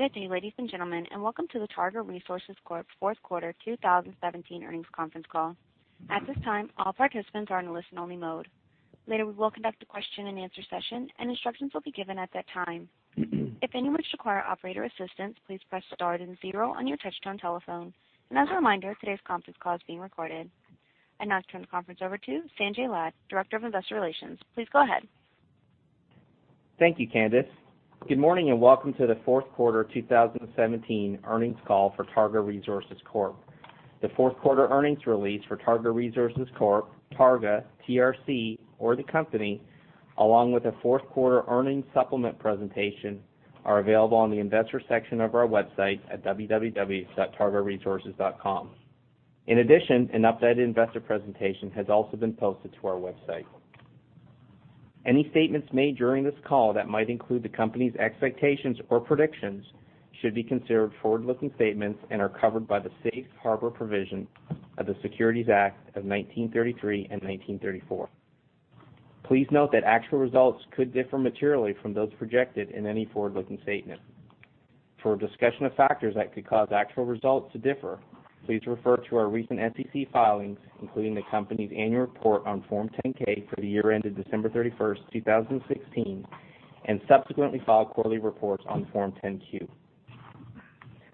Good day, ladies and gentlemen, and welcome to the Targa Resources Corp Fourth Quarter 2017 Earnings Conference Call. At this time, all participants are in listen only mode. Later, we will conduct a question and answer session and instructions will be given at that time. If anyone should require operator assistance, please press star then zero on your touch-tone telephone. As a reminder, today's conference call is being recorded. I now turn the conference over to Sanjay Lad, Director of Investor Relations. Please go ahead. Thank you, Candace. Good morning, and welcome to the fourth quarter 2017 earnings call for Targa Resources Corp. The fourth quarter earnings release for Targa Resources Corp, Targa, TRC or the company, along with the fourth quarter earnings supplement presentation are available on the investor section of our website at www.targaresources.com. In addition, an updated investor presentation has also been posted to our website. Any statements made during this call that might include the company's expectations or predictions should be considered forward-looking statements and are covered by the safe harbor provision of the Securities Act of 1933 and 1934. Please note that actual results could differ materially from those projected in any forward-looking statement. For a discussion of factors that could cause actual results to differ, please refer to our recent SEC filings, including the company's annual report on Form 10-K for the year ended December 31, 2016, and subsequently filed quarterly reports on Form 10-Q.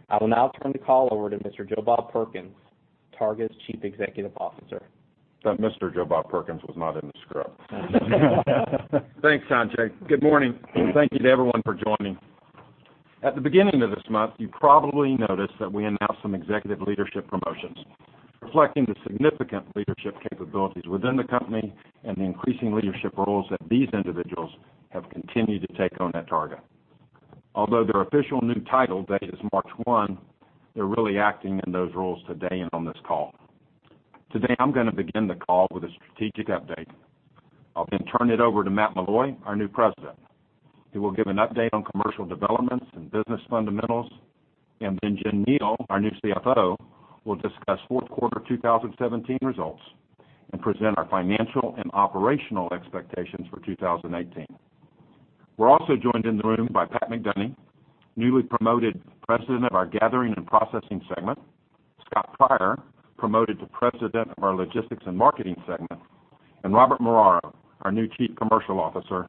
I will now turn the call over to Mr. Joe Bob Perkins, Targa's Chief Executive Officer. That Mr. Joe Bob Perkins was not in the script. Thanks, Sanjay. Good morning, thank you to everyone for joining. At the beginning of this month, you probably noticed that we announced some executive leadership promotions reflecting the significant leadership capabilities within the company and the increasing leadership roles that these individuals have continued to take on at Targa. Although their official new title date is March 1, they're really acting in those roles today and on this call. Today, I'm going to begin the call with a strategic update. I'll then turn it over to Matt Meloy, our new President, who will give an update on commercial developments and business fundamentals. Jen Kneale, our new CFO, will discuss fourth quarter 2017 results and present our financial and operational expectations for 2018. We're also joined in the room by Pat McDonie, newly promoted President of our Gathering and Processing segment, Scott Pryor, promoted to President of our Logistics and Marketing segment, and Robert Muraro, our new Chief Commercial Officer,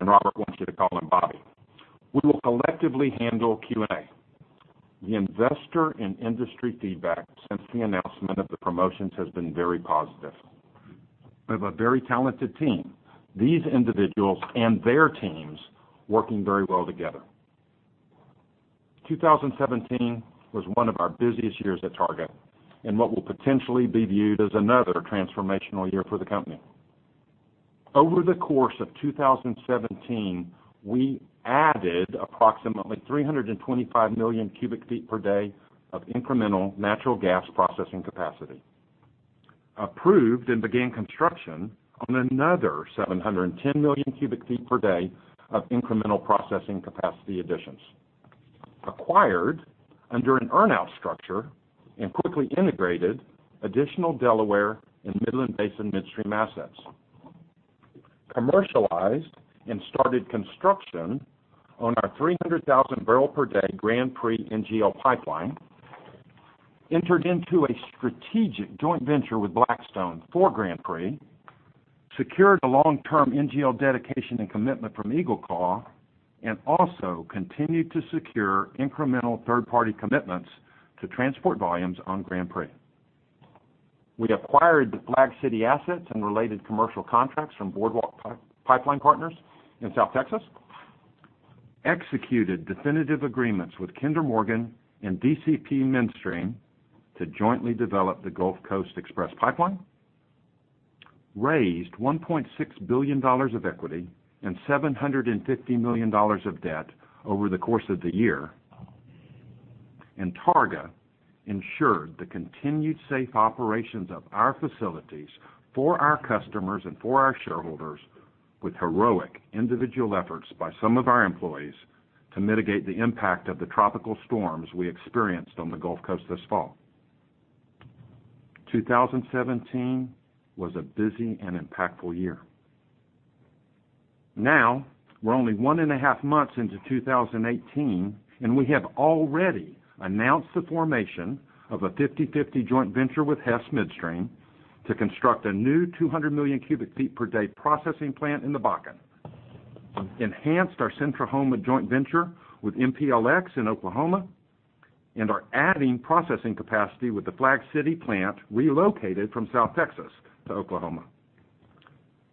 and Robert wants you to call him Bobby. We will collectively handle Q&A. The investor and industry feedback since the announcement of the promotions has been very positive. We have a very talented team. These individuals and their teams working very well together. 2017 was one of our busiest years at Targa, and what will potentially be viewed as another transformational year for the company. Over the course of 2017, we added approximately 325 million cubic feet per day of incremental natural gas processing capacity, approved and began construction on another 710 million cubic feet per day of incremental processing capacity additions, acquired under an earn out structure and quickly integrated additional Delaware and Midland Basin midstream assets, commercialized and started construction on our 300,000 barrel per day Grand Prix NGL pipeline, entered into a strategic joint venture with Blackstone for Grand Prix, secured a long-term NGL dedication and commitment from EagleClaw, and also continued to secure incremental third-party commitments to transport volumes on Grand Prix. We acquired the Flag City assets and related commercial contracts from Boardwalk Pipeline Partners in South Texas, executed definitive agreements with Kinder Morgan and DCP Midstream to jointly develop the Gulf Coast Express pipeline, raised $1.6 billion of equity and $750 million of debt over the course of the year. Targa ensured the continued safe operations of our facilities for our customers and for our shareholders with heroic individual efforts by some of our employees to mitigate the impact of the tropical storms we experienced on the Gulf Coast this fall. 2017 was a busy and impactful year. Now, we're only one and a half months into 2018, and we have already announced the formation of a 50/50 joint venture with Hess Midstream to construct a new 200 million cubic feet per day processing plant in the Bakken, enhanced our Centrahoma joint venture with MPLX in Oklahoma, and are adding processing capacity with the Flag City plant relocated from South Texas to Oklahoma,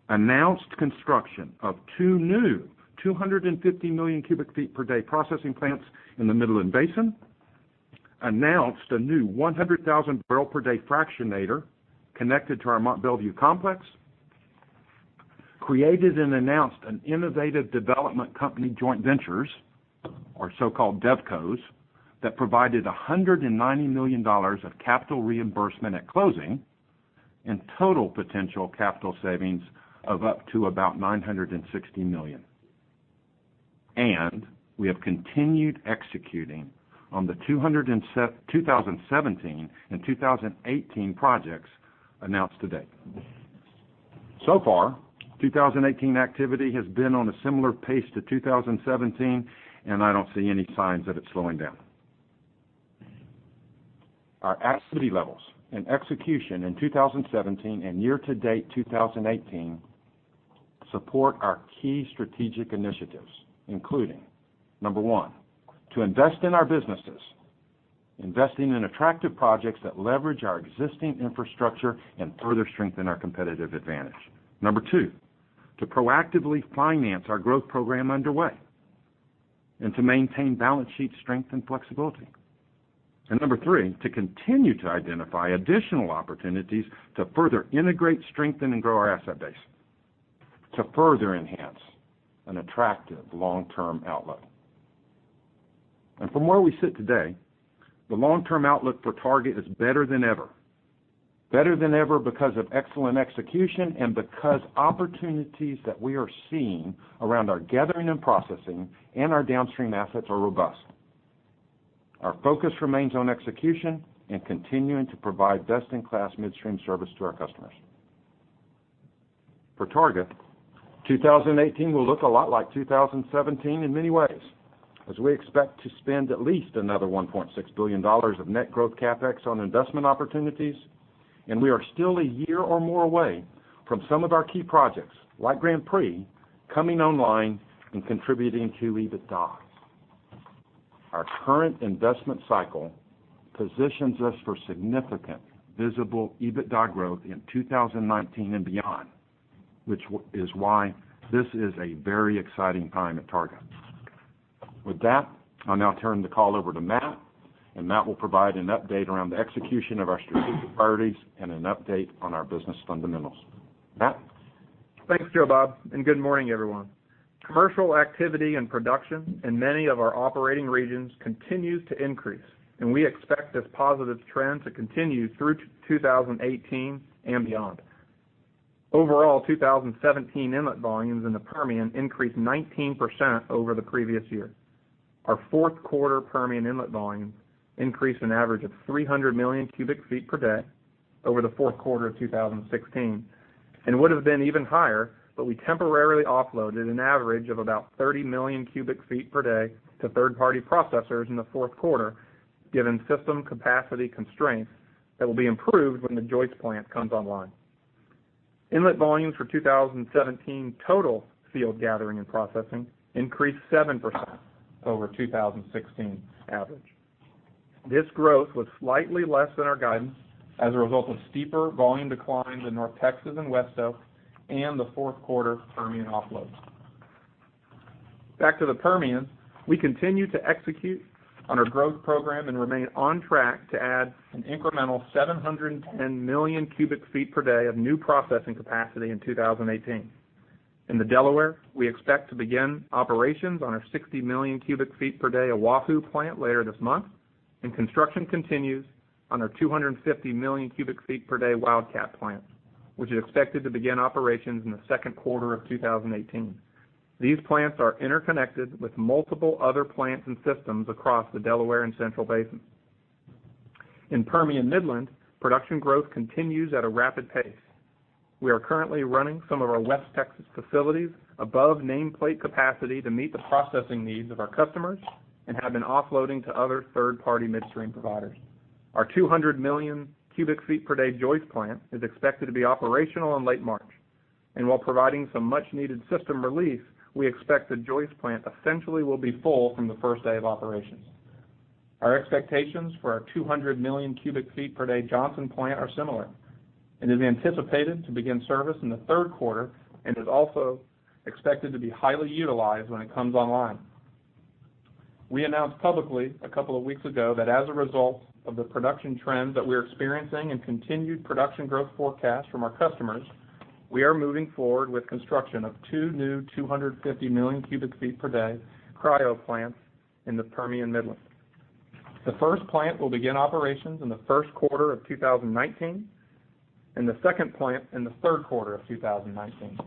announced construction of two new 250 million cubic feet per day processing plants in the Midland Basin, announced a new 100,000 barrel per day fractionator connected to our Mont Belvieu complex, created and announced an innovative development company joint ventures, our so-called DevCos, that provided $190 million of capital reimbursement at closing and total potential capital savings of up to about $960 million. We have continued executing on the 2017 and 2018 projects announced to date. So far, 2018 activity has been on a similar pace to 2017. I don't see any signs of it slowing down. Our activity levels and execution in 2017 and year-to-date 2018 support our key strategic initiatives, including, number one, to invest in our businesses, investing in attractive projects that leverage our existing infrastructure and further strengthen our competitive advantage. Number two, to proactively finance our growth program underway and to maintain balance sheet strength and flexibility. Number three, to continue to identify additional opportunities to further integrate, strengthen, and grow our asset base to further enhance an attractive long-term outlook. From where we sit today, the long-term outlook for Targa is better than ever. Better than ever because of excellent execution and because opportunities that we are seeing around our gathering and processing and our downstream assets are robust. Our focus remains on execution and continuing to provide best-in-class midstream service to our customers. For Targa, 2018 will look a lot like 2017 in many ways, as we expect to spend at least another $1.6 billion of net growth CapEx on investment opportunities. We are still a year or more away from some of our key projects, like Grand Prix, coming online and contributing to EBITDA. Our current investment cycle positions us for significant visible EBITDA growth in 2019 and beyond, which is why this is a very exciting time at Targa. With that, I'll now turn the call over to Matt. Matt will provide an update around the execution of our strategic priorities and an update on our business fundamentals. Matt? Thanks, Joe Bob. Good morning, everyone. Commercial activity and production in many of our operating regions continues to increase. We expect this positive trend to continue through to 2018 and beyond. Overall, 2017 inlet volumes in the Permian increased 19% over the previous year. Our fourth quarter Permian inlet volumes increased an average of 300 million cubic feet per day over the fourth quarter of 2016 and would've been even higher, but we temporarily offloaded an average of about 30 million cubic feet per day to third-party processors in the fourth quarter, given system capacity constraints that will be improved when the Joyce plant comes online. Inlet volumes for 2017 total field gathering and processing increased 7% over 2016's average. This growth was slightly less than our guidance as a result of steeper volume declines in North Texas and West Oak and the fourth quarter Permian offload. Back to the Permian, we continue to execute on our growth program. We remain on track to add an incremental 710 million cubic feet per day of new processing capacity in 2018. In the Delaware, we expect to begin operations on our 60 million cubic feet per day Oahu plant later this month. Construction continues on our 250 million cubic feet per day Wildcat plant, which is expected to begin operations in the second quarter of 2018. These plants are interconnected with multiple other plants and systems across the Delaware and Central basins. In Permian Midland, production growth continues at a rapid pace. We are currently running some of our West Texas facilities above nameplate capacity to meet the processing needs of our customers. We have been offloading to other third-party midstream providers. Our 200 million cubic feet per day Joyce plant is expected to be operational in late March. While providing some much-needed system relief, we expect the Joyce plant essentially will be full from the first day of operations. Our expectations for our 200 million cubic feet per day Johnson plant are similar. It is anticipated to begin service in the third quarter and is also expected to be highly utilized when it comes online. We announced publicly a couple of weeks ago that as a result of the production trends that we're experiencing and continued production growth forecast from our customers, we are moving forward with construction of two new 250 million cubic feet per day cryo plants in the Permian Midland. The first plant will begin operations in the first quarter of 2019, and the second plant in the third quarter of 2019.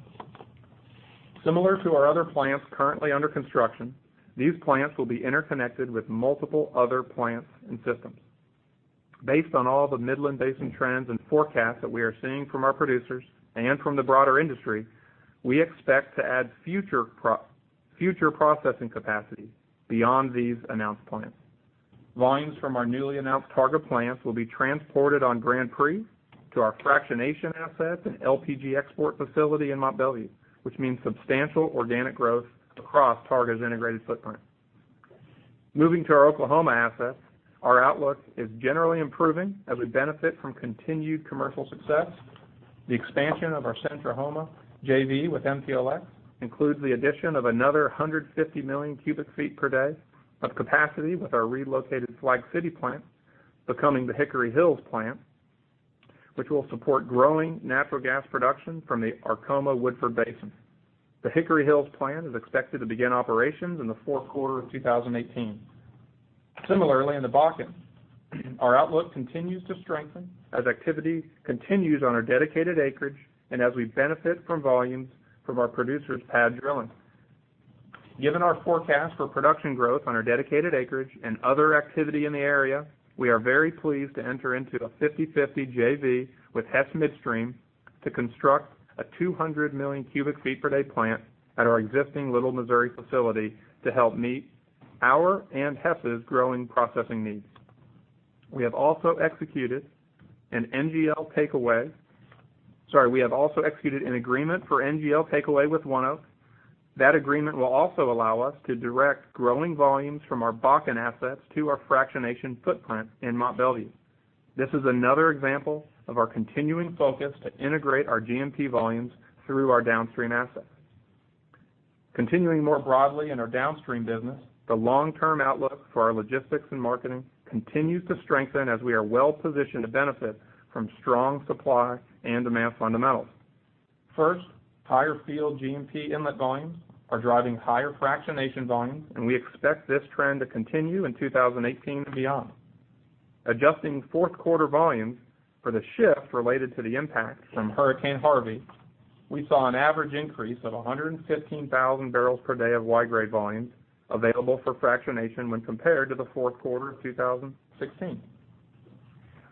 Similar to our other plants currently under construction, these plants will be interconnected with multiple other plants and systems. Based on all the Midland Basin trends and forecasts that we are seeing from our producers and from the broader industry, we expect to add future processing capacity beyond these announced plants. Volumes from our newly announced Targa plants will be transported on Grand Prix to our fractionation assets and LPG export facility in Mont Belvieu, which means substantial organic growth across Targa's integrated footprint. Moving to our Oklahoma assets, our outlook is generally improving as we benefit from continued commercial success. The expansion of our Centrahoma JV with MPLX includes the addition of another 150 million cubic feet per day of capacity with our relocated Flag City plant becoming the Hickory Hills plant, which will support growing natural gas production from the Arkoma Woodford Basin. The Hickory Hills plant is expected to begin operations in the fourth quarter of 2018. Similarly, in the Bakken, our outlook continues to strengthen as activity continues on our dedicated acreage and as we benefit from volumes from our producers' pad drilling. Given our forecast for production growth on our dedicated acreage and other activity in the area, we are very pleased to enter into a 50/50 JV with Hess Midstream to construct a 200 million cubic feet per day plant at our existing Little Missouri facility to help meet our and Hess' growing processing needs. We have also executed an agreement for NGL takeaway with ONEOK. That agreement will also allow us to direct growing volumes from our Bakken assets to our fractionation footprint in Mont Belvieu. This is another example of our continuing focus to integrate our G&P volumes through our downstream assets. Continuing more broadly in our downstream business, the long-term outlook for our logistics and marketing continues to strengthen as we are well-positioned to benefit from strong supply and demand fundamentals. First, higher field G&P inlet volumes are driving higher fractionation volumes. We expect this trend to continue in 2018 and beyond. Adjusting fourth quarter volumes for the shift related to the impact from Hurricane Harvey, we saw an average increase of 115,000 barrels per day of Y-grade volumes available for fractionation when compared to the fourth quarter of 2016.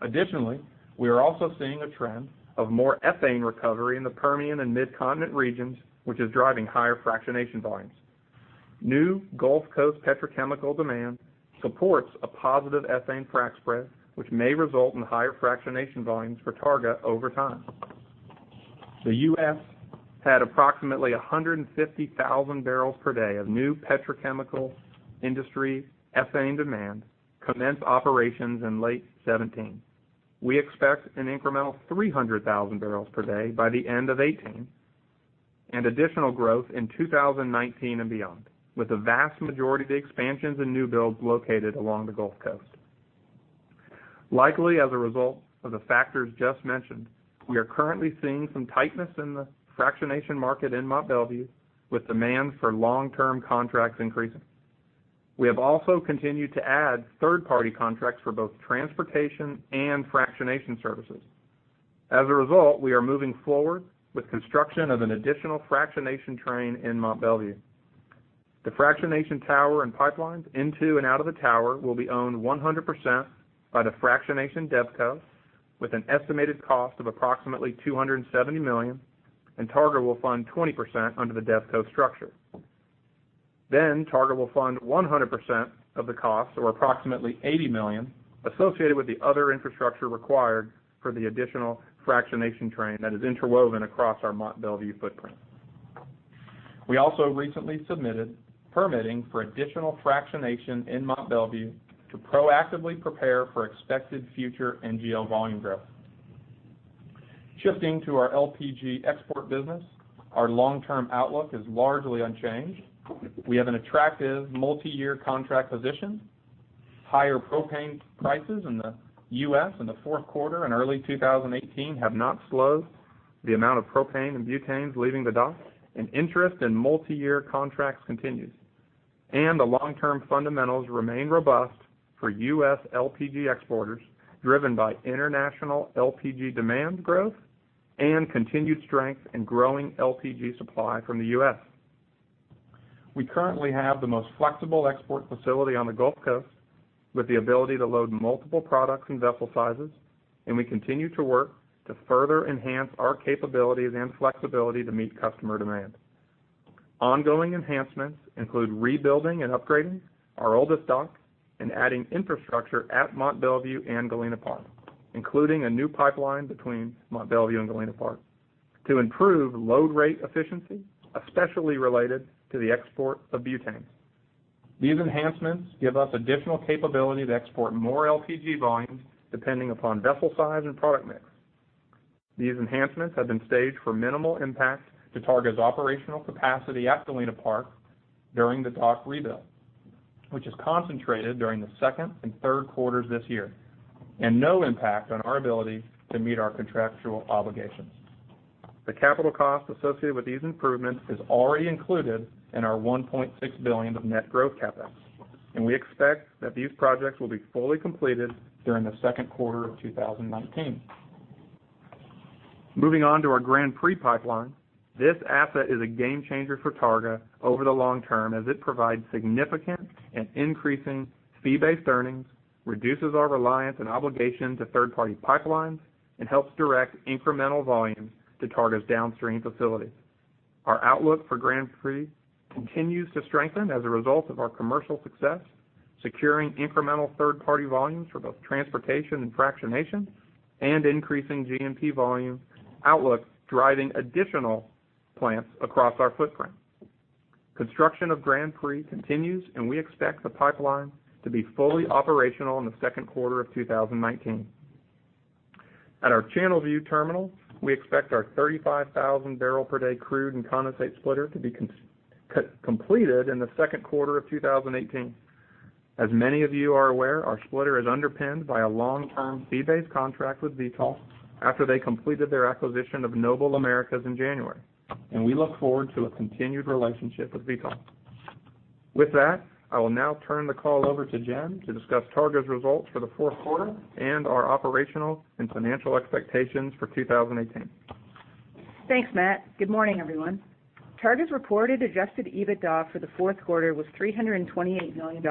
Additionally, we are also seeing a trend of more ethane recovery in the Permian and Mid-Continent regions, which is driving higher fractionation volumes. New Gulf Coast petrochemical demand supports a positive ethane frac spread, which may result in higher fractionation volumes for Targa over time. The U.S. had approximately 150,000 barrels per day of new petrochemical industry ethane demand commence operations in late 2017. We expect an incremental 300,000 barrels per day by the end of 2018 and additional growth in 2019 and beyond, with the vast majority of the expansions and new builds located along the Gulf Coast. Likely as a result of the factors just mentioned, we are currently seeing some tightness in the fractionation market in Mont Belvieu, with demand for long-term contracts increasing. We have also continued to add third-party contracts for both transportation and fractionation services. As a result, we are moving forward with construction of an additional fractionation train in Mont Belvieu. The fractionation tower and pipelines into and out of the tower will be owned 100% by the fractionation DevCo, with an estimated cost of approximately $270 million, and Targa will fund 20% under the DevCo structure. Targa will fund 100% of the cost, or approximately $80 million, associated with the other infrastructure required for the additional fractionation train that is interwoven across our Mont Belvieu footprint. We also recently submitted permitting for additional fractionation in Mont Belvieu to proactively prepare for expected future NGL volume growth. Shifting to our LPG export business, our long-term outlook is largely unchanged. We have an attractive multi-year contract position. Higher propane prices in the U.S. in the fourth quarter and early 2018 have not slowed the amount of propane and butanes leaving the dock, and interest in multi-year contracts continues. The long-term fundamentals remain robust for U.S. LPG exporters, driven by international LPG demand growth and continued strength in growing LPG supply from the U.S. We currently have the most flexible export facility on the Gulf Coast, with the ability to load multiple products and vessel sizes, and we continue to work to further enhance our capabilities and flexibility to meet customer demand. Ongoing enhancements include rebuilding and upgrading our oldest dock and adding infrastructure at Mont Belvieu and Galena Park, including a new pipeline between Mont Belvieu and Galena Park to improve load rate efficiency, especially related to the export of butane. These enhancements give us additional capability to export more LPG volumes, depending upon vessel size and product mix. These enhancements have been staged for minimal impact to Targa's operational capacity at Galena Park during the dock rebuild, which is concentrated during the second and third quarters this year, and no impact on our ability to meet our contractual obligations. The capital cost associated with these improvements is already included in our $1.6 billion of net growth CapEx, and we expect that these projects will be fully completed during the second quarter of 2019. Moving on to our Grand Prix pipeline. This asset is a game changer for Targa over the long term as it provides significant and increasing fee-based earnings, reduces our reliance and obligation to third-party pipelines, and helps direct incremental volumes to Targa's downstream facilities. Our outlook for Grand Prix continues to strengthen as a result of our commercial success, securing incremental third-party volumes for both transportation and fractionation, increasing G&P volume outlook driving additional plants across our footprint. Construction of Grand Prix continues, we expect the pipeline to be fully operational in the second quarter of 2019. At our Channelview Terminal, we expect our 35,000 barrel per day crude and condensate splitter to be completed in the second quarter of 2018. As many of you are aware, our splitter is underpinned by a long-term fee-based contract with Vitol after they completed their acquisition of Noble Americas in January. We look forward to a continued relationship with Vitol. With that, I will now turn the call over to Jen to discuss Targa's results for the fourth quarter and our operational and financial expectations for 2018. Thanks, Matt. Good morning, everyone. Targa's reported adjusted EBITDA for the fourth quarter was $328 million,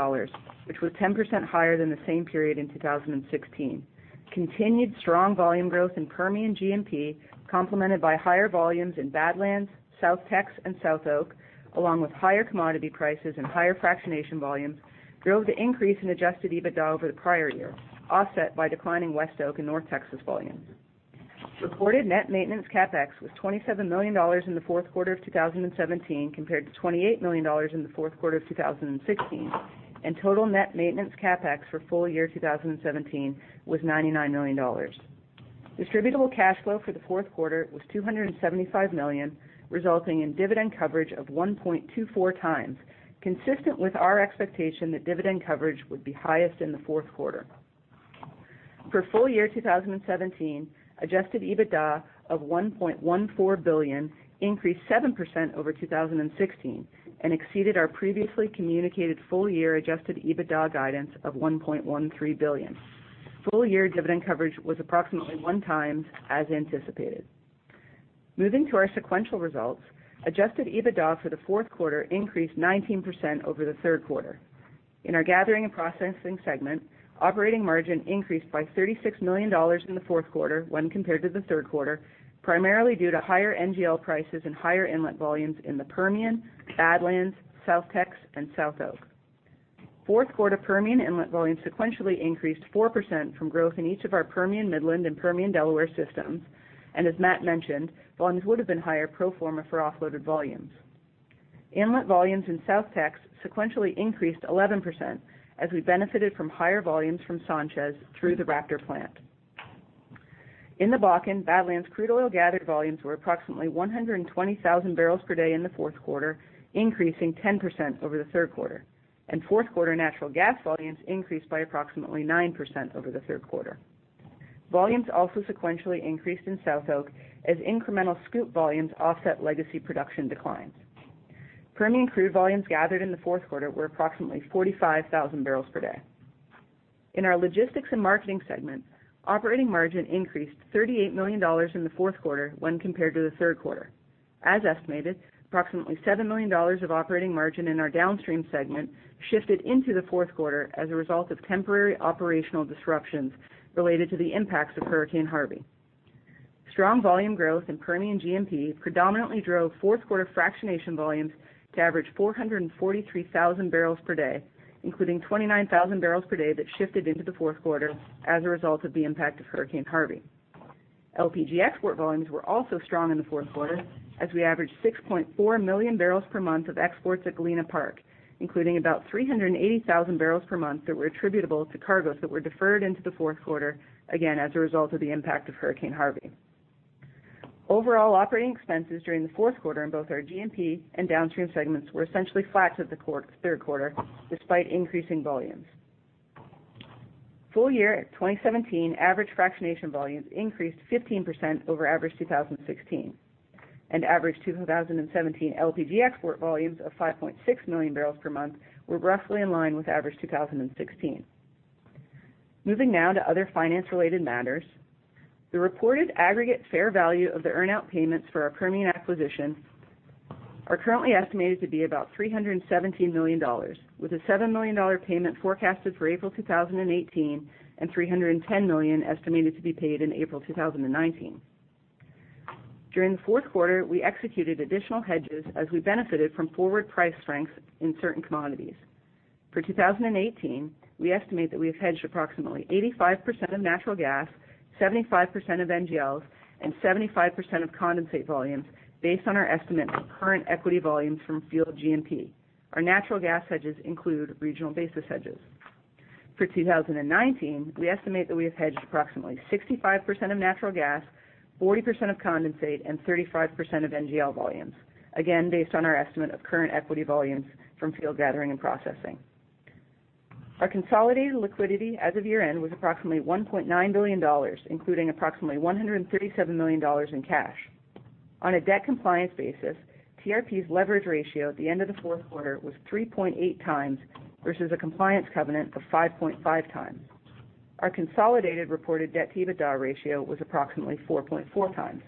which was 10% higher than the same period in 2016. Continued strong volume growth in Permian G&P, complemented by higher volumes in Badlands, South Texas, and SouthOk, along with higher commodity prices and higher fractionation volumes, drove the increase in adjusted EBITDA over the prior year, offset by declining West Oak and North Texas volumes. Reported net maintenance CapEx was $27 million in the fourth quarter of 2017 compared to $28 million in the fourth quarter of 2016. Total net maintenance CapEx for full year 2017 was $99 million. Distributable cash flow for the fourth quarter was $275 million, resulting in dividend coverage of 1.24 times, consistent with our expectation that dividend coverage would be highest in the fourth quarter. For full year 2017, adjusted EBITDA of $1.14 billion increased 7% over 2016, exceeded our previously communicated full-year adjusted EBITDA guidance of $1.13 billion. Full-year dividend coverage was approximately one times, as anticipated. Moving to our sequential results, adjusted EBITDA for the fourth quarter increased 19% over the third quarter. In our gathering and processing segment, operating margin increased by $36 million in the fourth quarter when compared to the third quarter, primarily due to higher NGL prices and higher inlet volumes in the Permian, Badlands, South Texas, and South Oak. Fourth quarter Permian inlet volumes sequentially increased 4% from growth in each of our Permian Midland and Permian Delaware systems, as Matt mentioned, volumes would have been higher pro forma for offloaded volumes. Inlet volumes in South Texas sequentially increased 11% as we benefited from higher volumes from Sanchez through the Raptor plant. In the Bakken, Badlands crude oil gathered volumes were approximately 120,000 barrels per day in the fourth quarter, increasing 10% over the third quarter. Fourth quarter natural gas volumes increased by approximately 9% over the third quarter. Volumes also sequentially increased in South Oak as incremental scoop volumes offset legacy production declines. Permian crude volumes gathered in the fourth quarter were approximately 45,000 barrels per day. In our logistics and marketing segment, operating margin increased $38 million in the fourth quarter when compared to the third quarter. As estimated, approximately $7 million of operating margin in our downstream segment shifted into the fourth quarter as a result of temporary operational disruptions related to the impacts of Hurricane Harvey. Strong volume growth in Permian G&P predominantly drove fourth-quarter fractionation volumes to average 443,000 barrels per day, including 29,000 barrels per day that shifted into the fourth quarter as a result of the impact of Hurricane Harvey. LPG export volumes were also strong in the fourth quarter, as we averaged 6.4 million barrels per month of exports at Galena Park, including about 380,000 barrels per month that were attributable to cargoes that were deferred into the fourth quarter, again, as a result of the impact of Hurricane Harvey. Overall operating expenses during the fourth quarter in both our G&P and downstream segments were essentially flat to the third quarter, despite increasing volumes. Full-year 2017 average fractionation volumes increased 15% over average 2016, and average 2017 LPG export volumes of 5.6 million barrels per month were roughly in line with average 2016. Moving now to other finance-related matters. The reported aggregate fair value of the earn out payments for our Permian acquisition are currently estimated to be about $317 million, with a $7 million payment forecasted for April 2018 and $310 million estimated to be paid in April 2019. During the fourth quarter, we executed additional hedges as we benefited from forward price strengths in certain commodities. For 2018, we estimate that we have hedged approximately 85% of natural gas, 75% of NGLs, and 75% of condensate volumes based on our estimate of current equity volumes from field G&P. Our natural gas hedges include regional basis hedges. For 2019, we estimate that we have hedged approximately 65% of natural gas, 40% of condensate, and 35% of NGL volumes, again, based on our estimate of current equity volumes from field gathering and processing. Our consolidated liquidity as of year-end was approximately $1.9 billion, including approximately $137 million in cash. On a debt compliance basis, TRP's leverage ratio at the end of the fourth quarter was 3.8 times versus a compliance covenant of 5.5 times. Our consolidated reported debt-to-EBITDA ratio was approximately 4.4 times.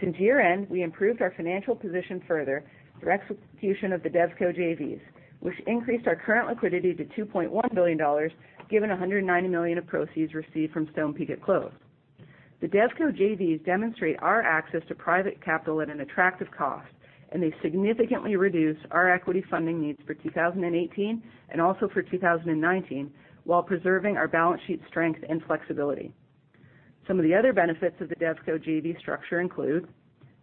Since year-end, we improved our financial position further through execution of the DevCo JVs, which increased our current liquidity to $2.1 billion, given $190 million of proceeds received from Stonepeak at close. The DevCo JVs demonstrate our access to private capital at an attractive cost, and they significantly reduce our equity funding needs for 2018 and also for 2019 while preserving our balance sheet strength and flexibility. Some of the other benefits of the DevCo JV structure include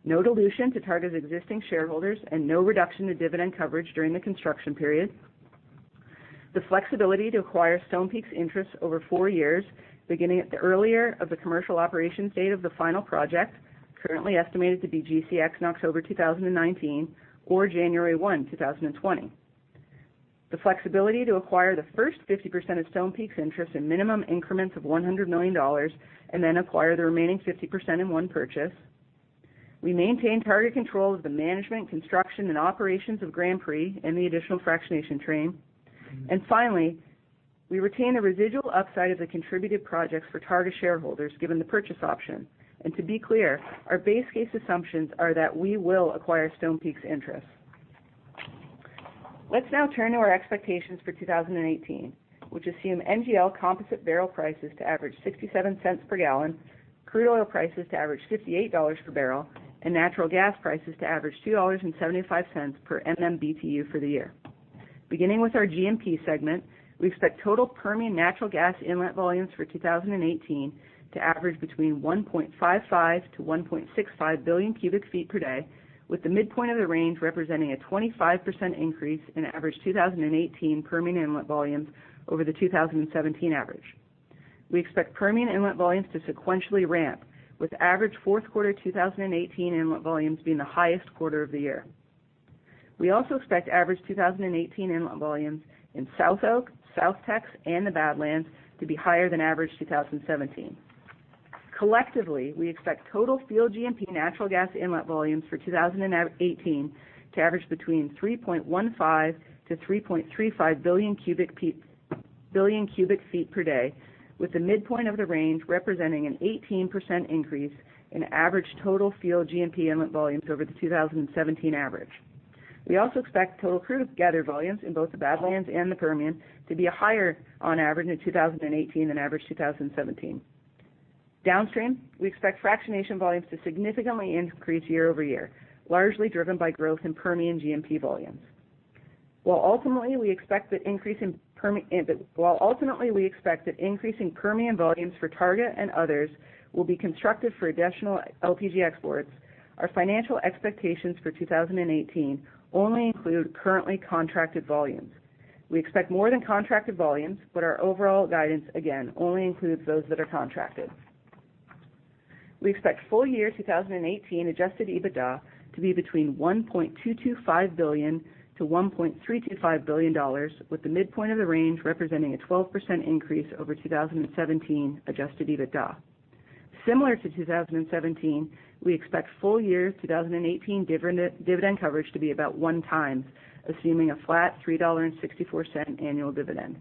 no dilution to Targa's existing shareholders and no reduction in dividend coverage during the construction period. The flexibility to acquire Stonepeak's interest over four years, beginning at the earlier of the commercial operations date of the final project, currently estimated to be GCX in October 2019 or January 1, 2020. The flexibility to acquire the first 50% of Stonepeak's interest in minimum increments of $100 million and then acquire the remaining 50% in one purchase. We maintain Targa control of the management, construction, and operations of Grand Prix and the additional fractionation train. Finally, we retain the residual upside of the contributed projects for Targa shareholders given the purchase option. To be clear, our base case assumptions are that we will acquire Stonepeak's interest. Let's now turn to our expectations for 2018, which assume NGL composite barrel prices to average $0.67 per gallon, crude oil prices to average $58 per barrel, and natural gas prices to average $2.75 per MMBtu for the year. Beginning with our G&P segment, we expect total Permian natural gas inlet volumes for 2018 to average between 1.55-1.65 billion cubic feet per day, with the midpoint of the range representing a 25% increase in average 2018 Permian inlet volumes over the 2017 average. We expect Permian inlet volumes to sequentially ramp, with average fourth quarter 2018 inlet volumes being the highest quarter of the year. We also expect average 2018 inlet volumes in SouthOK, SouthTX, and the Badlands to be higher than average 2017. Collectively, we expect total field G&P natural gas inlet volumes for 2018 to average between 3.15-3.35 billion cubic feet per day, with the midpoint of the range representing an 18% increase in average total field G&P inlet volumes over the 2017 average. We also expect total crude gather volumes in both the Badlands and the Permian to be higher on average in 2018 than average 2017. Downstream, we expect fractionation volumes to significantly increase year-over-year, largely driven by growth in Permian G&P volumes. While ultimately we expect that increasing Permian volumes for Targa and others will be constructive for additional LPG exports, our financial expectations for 2018 only include currently contracted volumes. We expect more than contracted volumes, but our overall guidance, again, only includes those that are contracted. We expect full year 2018 adjusted EBITDA to be between $1.225 billion-$1.325 billion, with the midpoint of the range representing a 12% increase over 2017 adjusted EBITDA. Similar to 2017, we expect full year 2018 dividend coverage to be about one times, assuming a flat $3.64 annual dividend.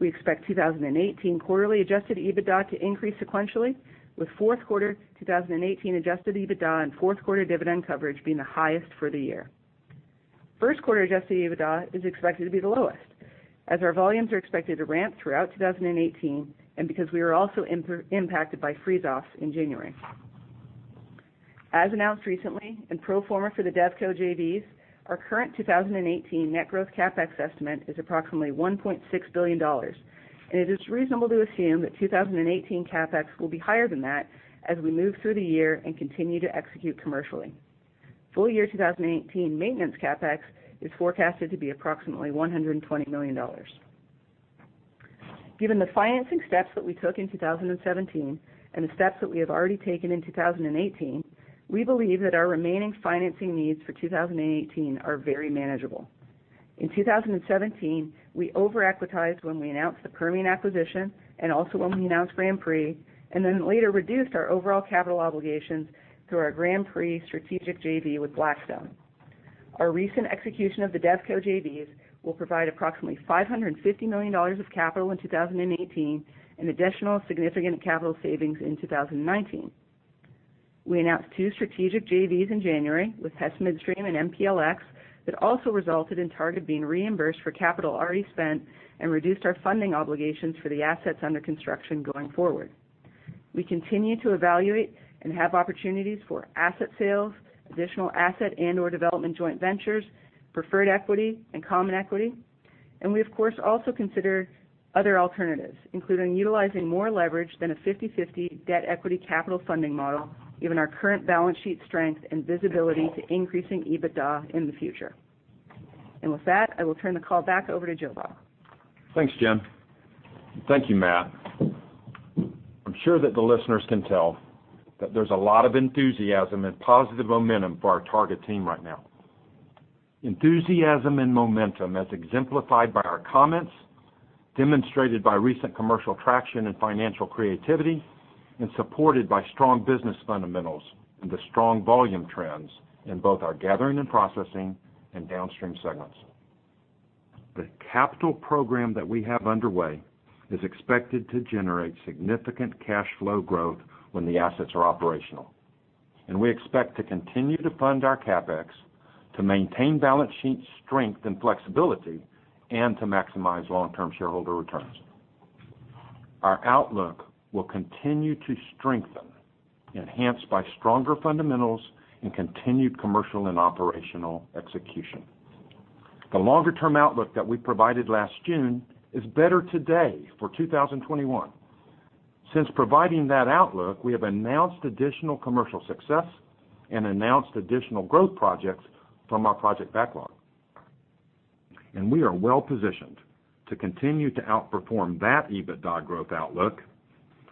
We expect 2018 quarterly adjusted EBITDA to increase sequentially, with fourth quarter 2018 adjusted EBITDA and fourth quarter dividend coverage being the highest for the year. First quarter adjusted EBITDA is expected to be the lowest, as our volumes are expected to ramp throughout 2018 and because we are also impacted by freeze-offs in January. As announced recently in pro forma for the DevCo JVs, our current 2018 net growth CapEx estimate is approximately $1.6 billion, and it is reasonable to assume that 2018 CapEx will be higher than that as we move through the year and continue to execute commercially. Full year 2018 maintenance CapEx is forecasted to be approximately $120 million. Given the financing steps that we took in 2017 and the steps that we have already taken in 2018, we believe that our remaining financing needs for 2018 are very manageable. In 2017, we over-equitized when we announced the Permian acquisition and also when we announced Grand Prix, and then later reduced our overall capital obligations through our Grand Prix strategic JV with Blackstone. Our recent execution of the DevCo JVs will provide approximately $550 million of capital in 2018 and additional significant capital savings in 2019. We announced two strategic JVs in January with Hess Midstream and MPLX that also resulted in Targa being reimbursed for capital already spent and reduced our funding obligations for the assets under construction going forward. We continue to evaluate and have opportunities for asset sales, additional asset and/or development joint ventures, preferred equity and common equity. We of course, also consider other alternatives, including utilizing more leverage than a 50/50 debt equity capital funding model, given our current balance sheet strength and visibility to increasing EBITDA in the future. I will turn the call back over to Joe Bob. Thanks, Jen. Thank you, Matt. I'm sure that the listeners can tell that there's a lot of enthusiasm and positive momentum for our Targa team right now. Enthusiasm and momentum, as exemplified by our comments, demonstrated by recent commercial traction and financial creativity, and supported by strong business fundamentals and the strong volume trends in both our gathering and processing and downstream segments. The capital program that we have underway is expected to generate significant cash flow growth when the assets are operational. We expect to continue to fund our CapEx, to maintain balance sheet strength and flexibility, and to maximize long-term shareholder returns. Our outlook will continue to strengthen, enhanced by stronger fundamentals and continued commercial and operational execution. The longer-term outlook that we provided last June is better today for 2021. Since providing that outlook, we have announced additional commercial success and announced additional growth projects from our project backlog. We are well positioned to continue to outperform that EBITDA growth outlook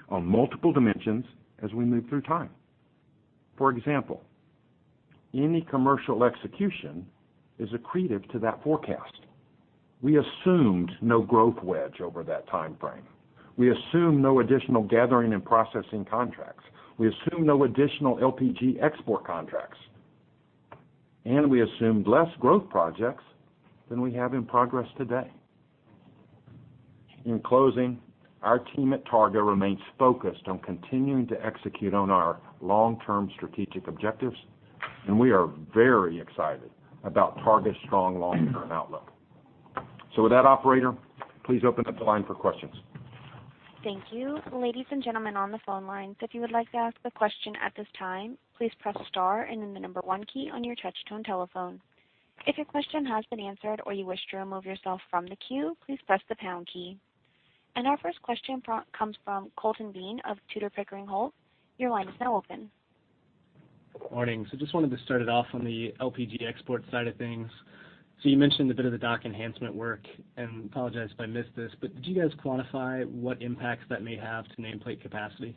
on multiple dimensions as we move through time. For example, any commercial execution is accretive to that forecast. We assumed no growth wedge over that time frame. We assumed no additional gathering and processing contracts. We assumed no additional LPG export contracts. We assumed less growth projects than we have in progress today. In closing, our team at Targa remains focused on continuing to execute on our long-term strategic objectives, and we are very excited about Targa's strong long-term outlook. With that, operator, please open up the line for questions. Thank you. Ladies and gentlemen on the phone lines, if you would like to ask a question at this time, please press star and then the number 1 key on your touch-tone telephone. If your question has been answered or you wish to remove yourself from the queue, please press the pound key. Our first question comes from Colton Bean of Tudor, Pickering Holt. Your line is now open. Good morning. Just wanted to start it off on the LPG export side of things. You mentioned a bit of the dock enhancement work, and I apologize if I missed this, but did you guys quantify what impacts that may have to nameplate capacity?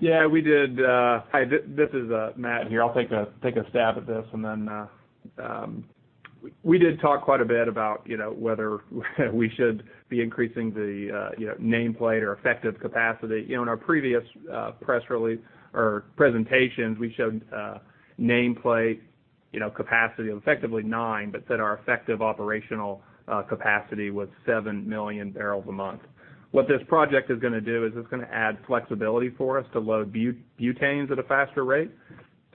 Yeah, we did. Hi, this is Matt here. I'll take a stab at this. We did talk quite a bit about whether we should be increasing the nameplate or effective capacity. In our previous presentations, we showed nameplate capacity of effectively nine, but said our effective operational capacity was seven million barrels a month. What this project is going to do is it's going to add flexibility for us to load butanes at a faster rate.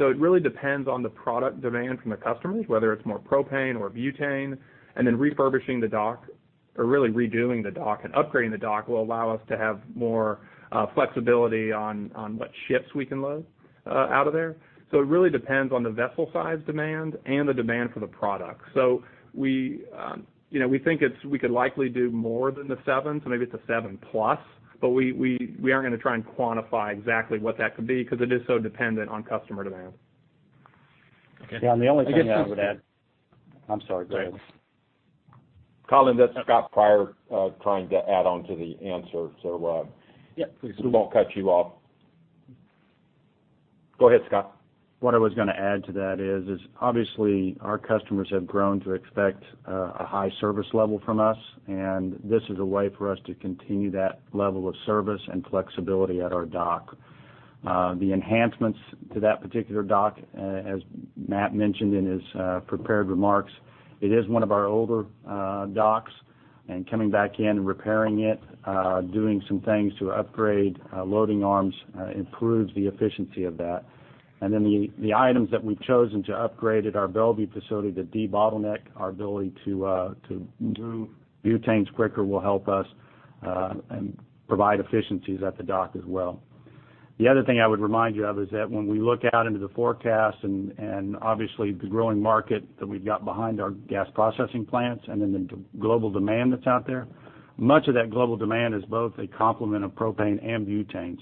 It really depends on the product demand from the customers, whether it's more propane or butane, and then refurbishing the dock or really redoing the dock and upgrading the dock will allow us to have more flexibility on what ships we can load out of there. It really depends on the vessel size demand and the demand for the product. We think we could likely do more than the seven, so maybe it's a seven plus, but we aren't going to try and quantify exactly what that could be because it is so dependent on customer demand. Okay. Yeah, the only thing I would add. I'm sorry, go ahead. Colton, that's Scott Pryor trying to add on to the answer. Yeah, please. We won't cut you off. Go ahead, Scott. What I was going to add to that is, obviously our customers have grown to expect a high service level from us. This is a way for us to continue that level of service and flexibility at our dock. The enhancements to that particular dock, as Matt mentioned in his prepared remarks, it is one of our older docks, and coming back in and repairing it, doing some things to upgrade loading arms improves the efficiency of that. The items that we've chosen to upgrade at our Belvieu facility to debottleneck our ability to move butanes quicker will help us, and provide efficiencies at the dock as well. The other thing I would remind you of is that when we look out into the forecast, and obviously the growing market that we've got behind our gas processing plants and then the global demand that's out there, much of that global demand is both a complement of propane and butanes.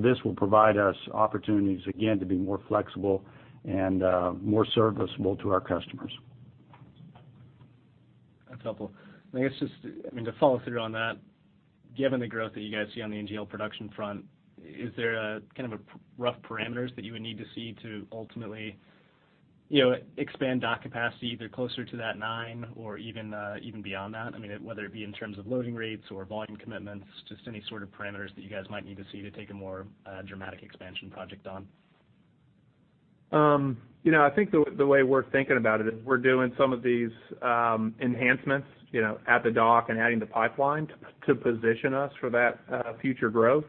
This will provide us opportunities again to be more flexible and more serviceable to our customers. That's helpful. I guess just to follow through on that, given the growth that you guys see on the NGL production front, is there kind of rough parameters that you would need to see to ultimately expand dock capacity either closer to that nine or even beyond that? Whether it be in terms of loading rates or volume commitments, just any sort of parameters that you guys might need to see to take a more dramatic expansion project on. I think the way we're thinking about it is we're doing some of these enhancements at the dock and adding the pipeline to position us for that future growth.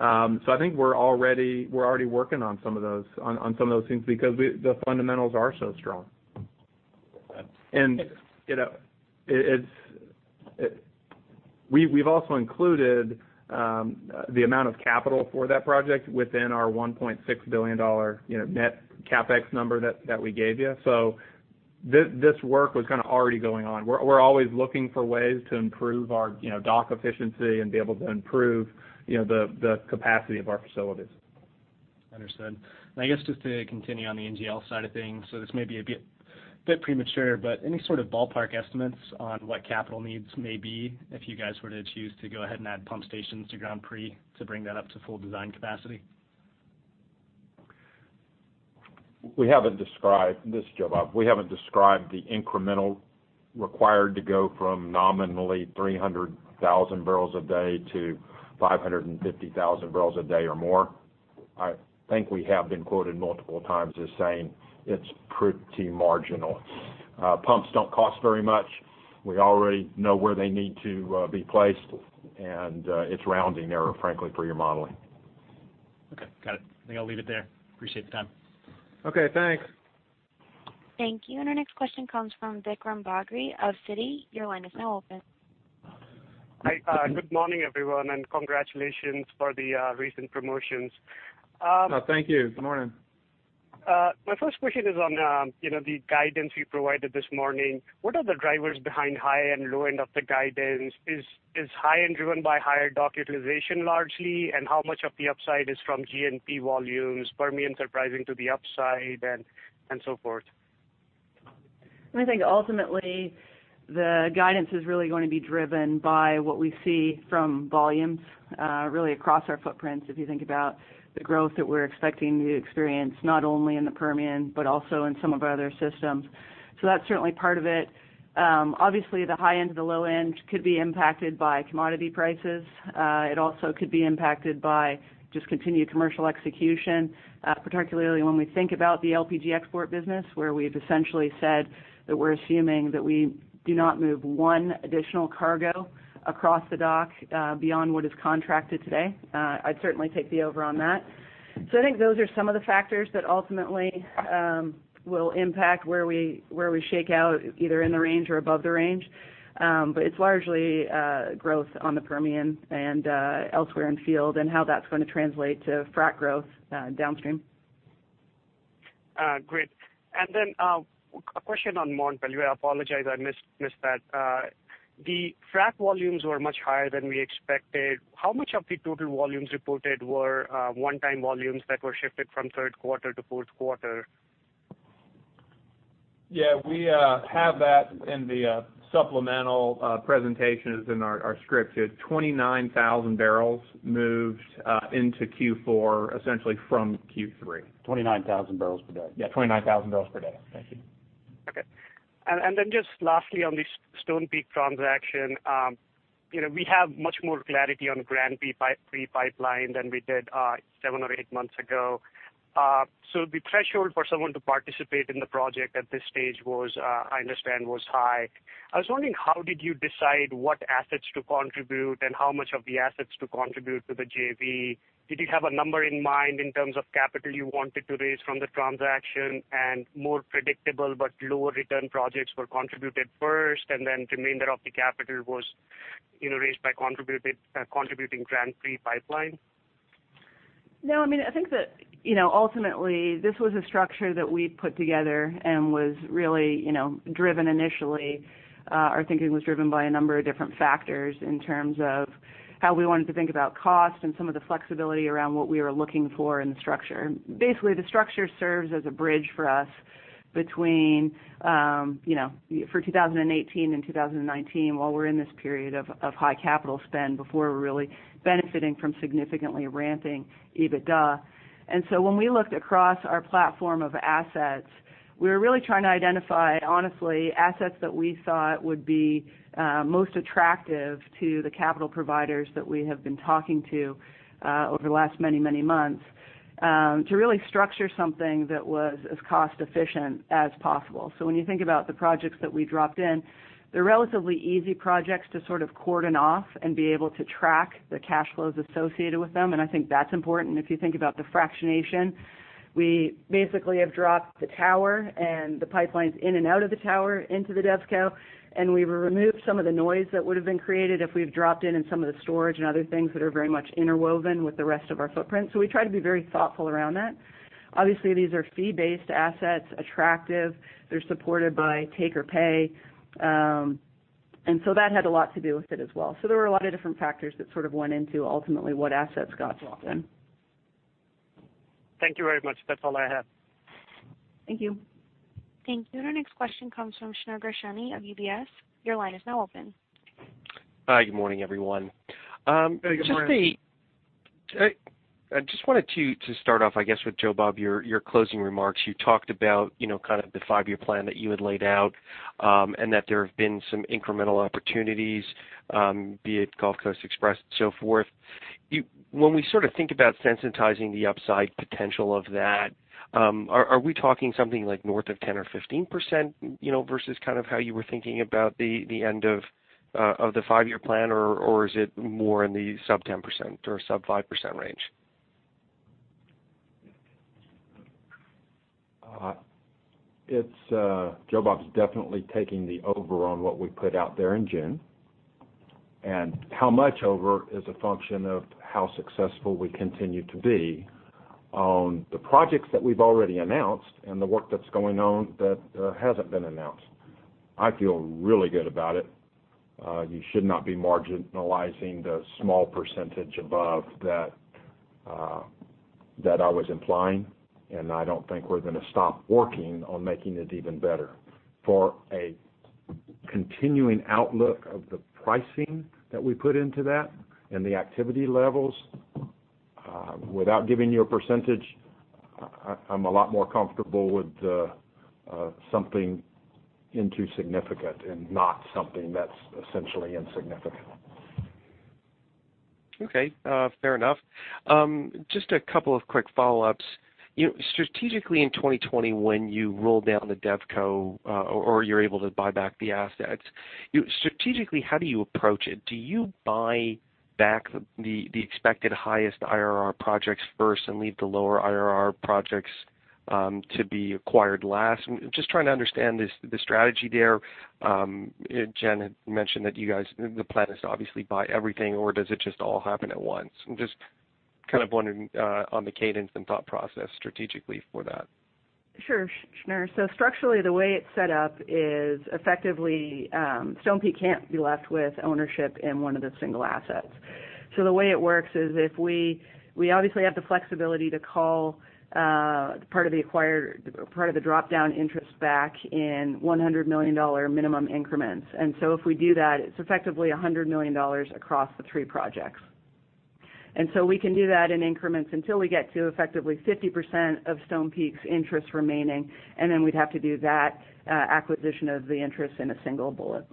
I think we're already working on some of those things because the fundamentals are so strong. Got it. Thanks. We've also included the amount of capital for that project within our $1.6 billion net CapEx number that we gave you. This work was kind of already going on. We're always looking for ways to improve our dock efficiency and be able to improve the capacity of our facilities. Understood. I guess just to continue on the NGL side of things, this may be a bit premature, but any sort of ballpark estimates on what capital needs may be if you guys were to choose to go ahead and add pump stations to Grand Prix to bring that up to full design capacity? This is Joe Bob. We haven't described the incremental required to go from nominally 300,000 barrels a day to 550,000 barrels a day or more. I think we have been quoted multiple times as saying it's pretty marginal. Pumps don't cost very much. We already know where they need to be placed, and it's rounding error, frankly, for your modeling. Okay. Got it. I think I'll leave it there. Appreciate the time. Okay. Thanks. Thank you. Our next question comes from Vikram Bagri of Citi. Your line is now open. Hi. Good morning, everyone, congratulations for the recent promotions. Thank you. Good morning. My first question is on the guidance you provided this morning. What are the drivers behind high and low end of the guidance? Is high end driven by higher dock utilization largely? How much of the upside is from G&P volumes, Permian surprising to the upside, and so forth? I think ultimately the guidance is really going to be driven by what we see from volumes, really across our footprints, if you think about the growth that we're expecting to experience, not only in the Permian, but also in some of our other systems. That's certainly part of it. Obviously, the high end to the low end could be impacted by commodity prices. It also could be impacted by just continued commercial execution, particularly when we think about the LPG export business, where we've essentially said that we're assuming that we do not move one additional cargo across the dock beyond what is contracted today. I'd certainly take the over on that. I think those are some of the factors that ultimately will impact where we shake out, either in the range or above the range. It's largely growth on the Permian and elsewhere in field and how that's going to translate to frac growth downstream. Great. A question on Mont Belvieu. I apologize, I missed that. The frac volumes were much higher than we expected. How much of the total volumes reported were one-time volumes that were shifted from third quarter to fourth quarter? Yeah. We have that in the supplemental presentations in our script. 29,000 barrels moved into Q4 essentially from Q3. 29,000 barrels per day. Yeah. 29,000 barrels per day. Thank you. Okay. Just lastly, on the Stonepeak transaction. We have much more clarity on Grand Prix Pipeline than we did seven or eight months ago. The threshold for someone to participate in the project at this stage I understand was high. I was wondering how did you decide what assets to contribute and how much of the assets to contribute to the JV? Did you have a number in mind in terms of capital you wanted to raise from the transaction and more predictable but lower return projects were contributed first, then remainder of the capital was raised by contributing Grand Prix Pipeline? I think that ultimately this was a structure that we put together and our thinking was driven by a number of different factors in terms of how we wanted to think about cost and some of the flexibility around what we were looking for in the structure. Basically, the structure serves as a bridge for us between for 2018 and 2019, while we're in this period of high capital spend before we're really benefiting from significantly ramping EBITDA. When we looked across our platform of assets, we were really trying to identify, honestly, assets that we thought would be most attractive to the capital providers that we have been talking to over the last many months, to really structure something that was as cost-efficient as possible. When you think about the projects that we dropped in, they're relatively easy projects to sort of cordon off and be able to track the cash flows associated with them, and I think that's important. If you think about the fractionation, we basically have dropped the tower and the pipelines in and out of the tower into the DevCo, and we removed some of the noise that would've been created if we'd dropped in in some of the storage and other things that are very much interwoven with the rest of our footprint. We try to be very thoughtful around that. Obviously, these are fee-based assets, attractive, they're supported by take or pay. That had a lot to do with it as well. There were a lot of different factors that sort of went into ultimately what assets got dropped in. Thank you very much. That's all I have. Thank you. Thank you. Our next question comes from Shneur Gershuni of UBS. Your line is now open. Hi. Good morning, everyone. Good morning. I just wanted to start off, I guess, with Joe Bob, your closing remarks. You talked about kind of the five-year plan that you had laid out, and that there have been some incremental opportunities, be it Gulf Coast Express and so forth. When we sort of think about sensitizing the upside potential of that, are we talking something like north of 10% or 15%, versus kind of how you were thinking about the end of the five-year plan, or is it more in the sub 10% or sub 5% range? Joe Bob's definitely taking the over on what we put out there in June. How much over is a function of how successful we continue to be on the projects that we've already announced and the work that's going on that hasn't been announced. I feel really good about it. You should not be marginalizing the small percentage above that I was implying, and I don't think we're going to stop working on making it even better. For a continuing outlook of the pricing that we put into that and the activity levels, without giving you a percentage, I'm a lot more comfortable with something into significant and not something that's essentially insignificant. Okay. Fair enough. Just a couple of quick follow-ups. Strategically in 2020, when you roll down the DevCo, or you're able to buy back the assets, strategically, how do you approach it? Do you buy back the expected highest IRR projects first and leave the lower IRR projects to be acquired last? I'm just trying to understand the strategy there. Jen had mentioned that the plan is to obviously buy everything, or does it just all happen at once? I'm just kind of wondering on the cadence and thought process strategically for that. Sure, Shneur. Structurally, the way it's set up is effectively, Stonepeak can't be left with ownership in one of the single assets. The way it works is, we obviously have the flexibility to call part of the acquired part of the dropdown interest back in $100 million minimum increments. If we do that, it's effectively $100 million across the three projects. We can do that in increments until we get to effectively 50% of Stonepeak's interest remaining, and then we'd have to do that acquisition of the interest in a single bullet.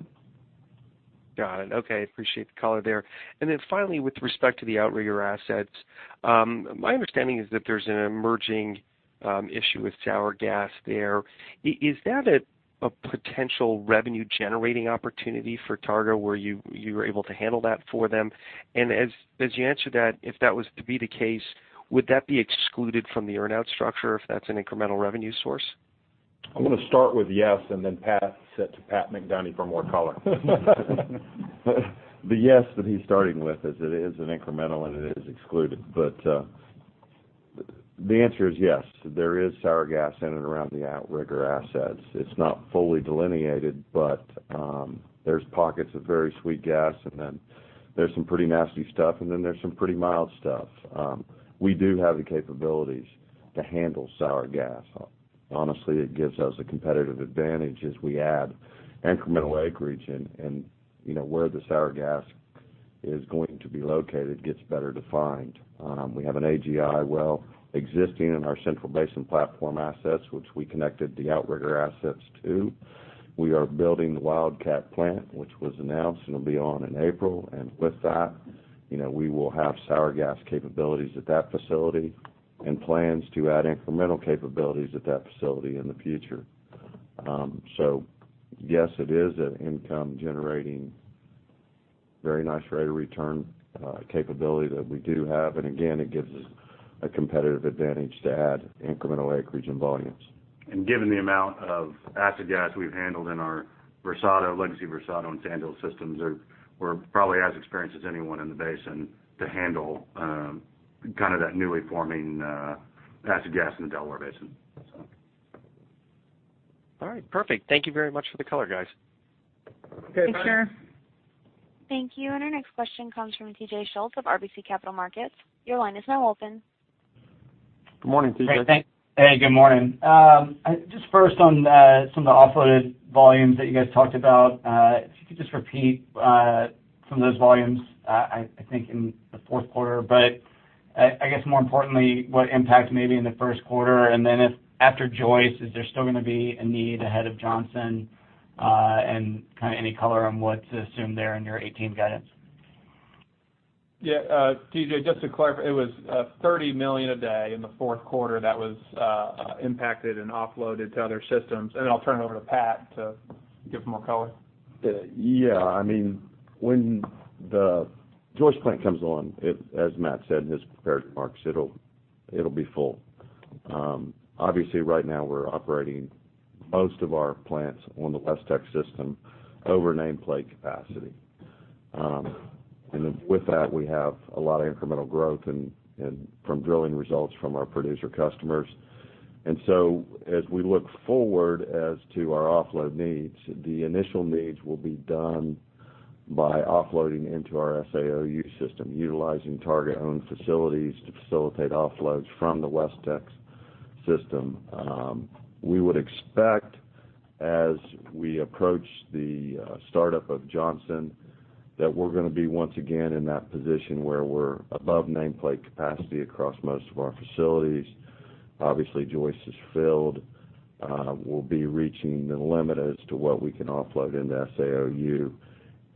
Got it. Okay. Appreciate the color there. Finally, with respect to the Outrigger assets, my understanding is that there's an emerging issue with sour gas there. Is that a potential revenue-generating opportunity for Targa where you were able to handle that for them? As you answer that, if that was to be the case, would that be excluded from the earn-out structure if that's an incremental revenue source? I'm going to start with yes, then pass it to Pat McDonie for more color. The yes that he's starting with is, it is an incremental and it is excluded. The answer is yes. There is sour gas in and around the Outrigger assets. It's not fully delineated, but there's pockets of very sweet gas, then there's some pretty nasty stuff, then there's some pretty mild stuff. We do have the capabilities to handle sour gas. Honestly, it gives us a competitive advantage as we add incremental acreage and where the sour gas is going to be located gets better defined. We have an AGI well existing in our Central Basin Platform assets, which we connected the Outrigger assets to. We are building the Wildcat plant, which was announced and will be on in April. With that, we will have sour gas capabilities at that facility and plans to add incremental capabilities at that facility in the future. Yes, it is an income-generating, very nice rate of return capability that we do have. Again, it gives us a competitive advantage to add incremental acreage and volumes. Given the amount of acid gas we've handled in our Versado, legacy Versado and Sandhill systems, we're probably as experienced as anyone in the basin to handle that newly forming acid gas in the Delaware Basin. All right, perfect. Thank you very much for the color, guys. Okay, thanks. Thanks, Shneur. Thank you. Our next question comes from T.J. Schultz of RBC Capital Markets. Your line is now open. Good morning, T.J. Hey, thanks. Hey, good morning. Just first on some of the offloaded volumes that you guys talked about. If you could just repeat some of those volumes, I think in the fourth quarter. I guess more importantly, what impact maybe in the first quarter, and then if after Joyce, is there still going to be a need ahead of Johnson, and any color on what to assume there in your 2018 guidance? Yeah. T.J., just to clarify, it was 30 million a day in the fourth quarter that was impacted and offloaded to other systems. Then I'll turn it over to Pat to give more color. Yeah. When the Joyce plant comes on, as Matt said in his prepared remarks, it'll be full. Obviously, right now we're operating most of our plants on the WestTex system over nameplate capacity. With that, we have a lot of incremental growth from drilling results from our producer customers. As we look forward as to our offload needs, the initial needs will be done by offloading into our SouthOK system, utilizing Targa-owned facilities to facilitate offloads from the WestTex system. We would expect, as we approach the startup of Johnson, that we're going to be once again in that position where we're above nameplate capacity across most of our facilities. Obviously, Joyce is filled. We'll be reaching the limit as to what we can offload into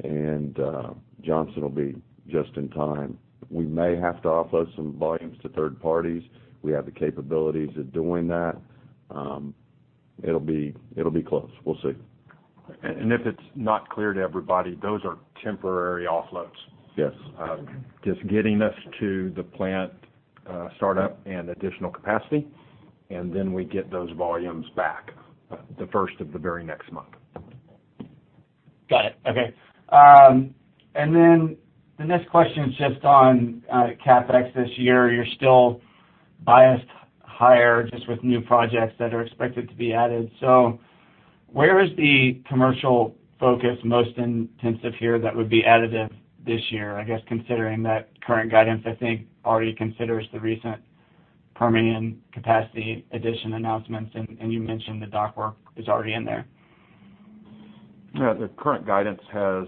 SouthOK. Johnson will be just in time. We may have to offload some volumes to third parties. We have the capabilities of doing that. It'll be close. We'll see. If it's not clear to everybody, those are temporary offloads. Yes. Just getting us to the plant startup and additional capacity, we get those volumes back the first of the very next month. Got it. Okay. The next question is just on CapEx this year. You're still biased higher just with new projects that are expected to be added. Where is the commercial focus most intensive here that would be additive this year? I guess considering that current guidance, I think, already considers the recent Permian capacity addition announcements, and you mentioned the dock work is already in there. Yeah. The current guidance has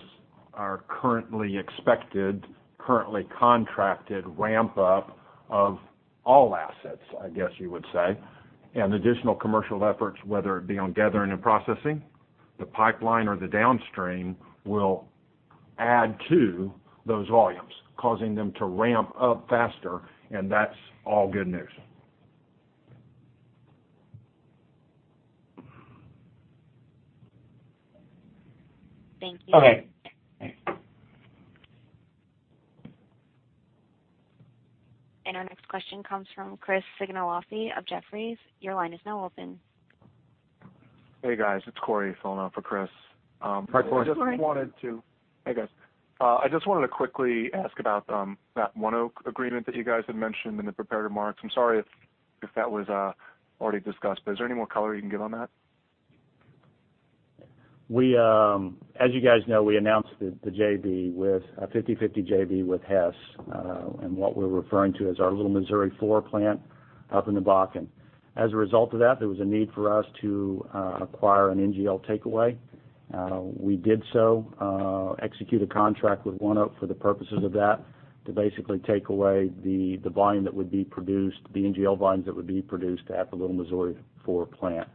our currently expected, currently contracted ramp-up of all assets, I guess you would say. Additional commercial efforts, whether it be on Gathering and Processing, the pipeline or the downstream, will add to those volumes, causing them to ramp up faster. That's all good news. Thank you. Okay. Thanks. Our next question comes from Chris Sighinolfi of Jefferies. Your line is now open. Hey, guys. It's Corey phoning for Chris. Hi, Corey. Sorry. Hey, guys. I just wanted to quickly ask about that ONEOK agreement that you guys had mentioned in the prepared remarks. I'm sorry if that was already discussed, but is there any more color you can give on that? As you guys know, we announced the JV, a 50/50 JV with Hess, and what we're referring to as our Little Missouri 4 plant up in the Bakken. As a result of that, there was a need for us to acquire an NGL takeaway. We did so, executed contract with ONEOK for the purposes of that to basically take away the volume that would be produced, the NGL volumes that would be produced at the Little Missouri 4 plant.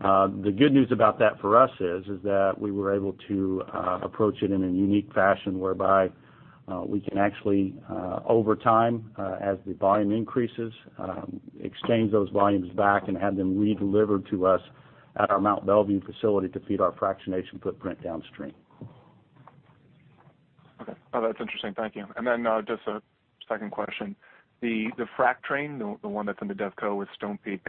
The good news about that for us is that we were able to approach it in a unique fashion whereby we can actually, over time, as the volume increases, exchange those volumes back and have them redelivered to us at our Mont Belvieu facility to feed our fractionation footprint downstream. Okay. Oh, that's interesting. Thank you. Then, just a second question. The frack train, the one that's in the DevCo with Stonepeak,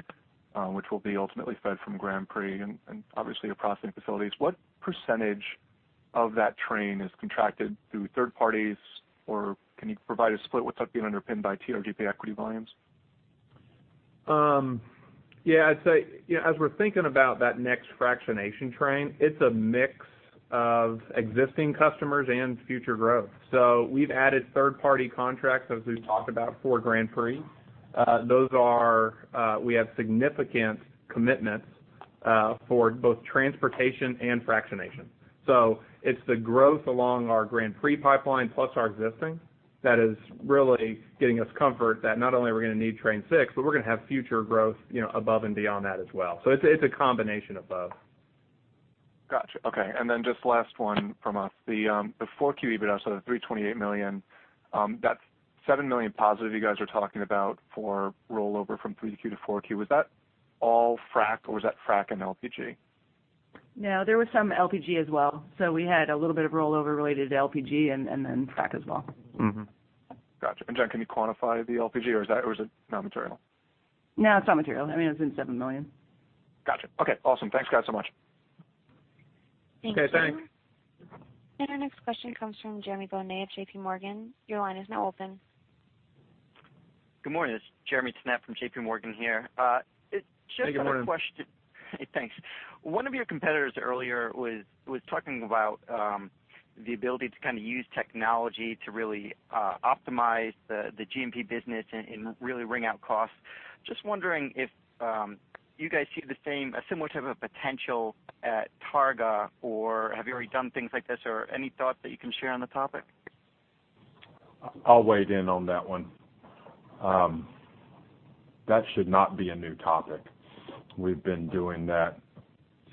which will be ultimately fed from Grand Prix, and obviously your processing facilities, what % of that train is contracted through third parties, or can you provide a split what's being underpinned by TRGP equity volumes? Yeah. As we're thinking about that next fractionation train, it's a mix of existing customers and future growth. We've added third-party contracts, as we've talked about for Grand Prix. We have significant commitments for both transportation and fractionation. It's the growth along our Grand Prix pipeline plus our existing that is really getting us comfort that not only are we going to need train 6, but we're going to have future growth above and beyond that as well. It's a combination of both. Got you. Okay. Then just last one from us. The 4Q EBITDA, so the $328 million, that $7 million positive you guys are talking about for rollover from 3Q to 4Q, was that all frack, or was that frack and LPG? No, there was some LPG as well. We had a little bit of rollover related to LPG and then frack as well. Mm-hmm. Got you. Jen, can you quantify the LPG, or is it non-material? No, it's not material. I mean, it's been $7 million. Got you. Okay, awesome. Thanks guys so much. Thank you. Okay, thanks. Our next question comes from Jeremy Tonet of J.P. Morgan. Your line is now open. Good morning. It's Jeremy Tonet from J.P. Morgan here. Good morning. Hey, thanks. One of your competitors earlier was talking about the ability to kind of use technology to really optimize the G&P business and really wring out costs. Just wondering if you guys see a similar type of potential at Targa, or have you already done things like this, or any thoughts that you can share on the topic? I'll weigh in on that one. That should not be a new topic. We've been doing that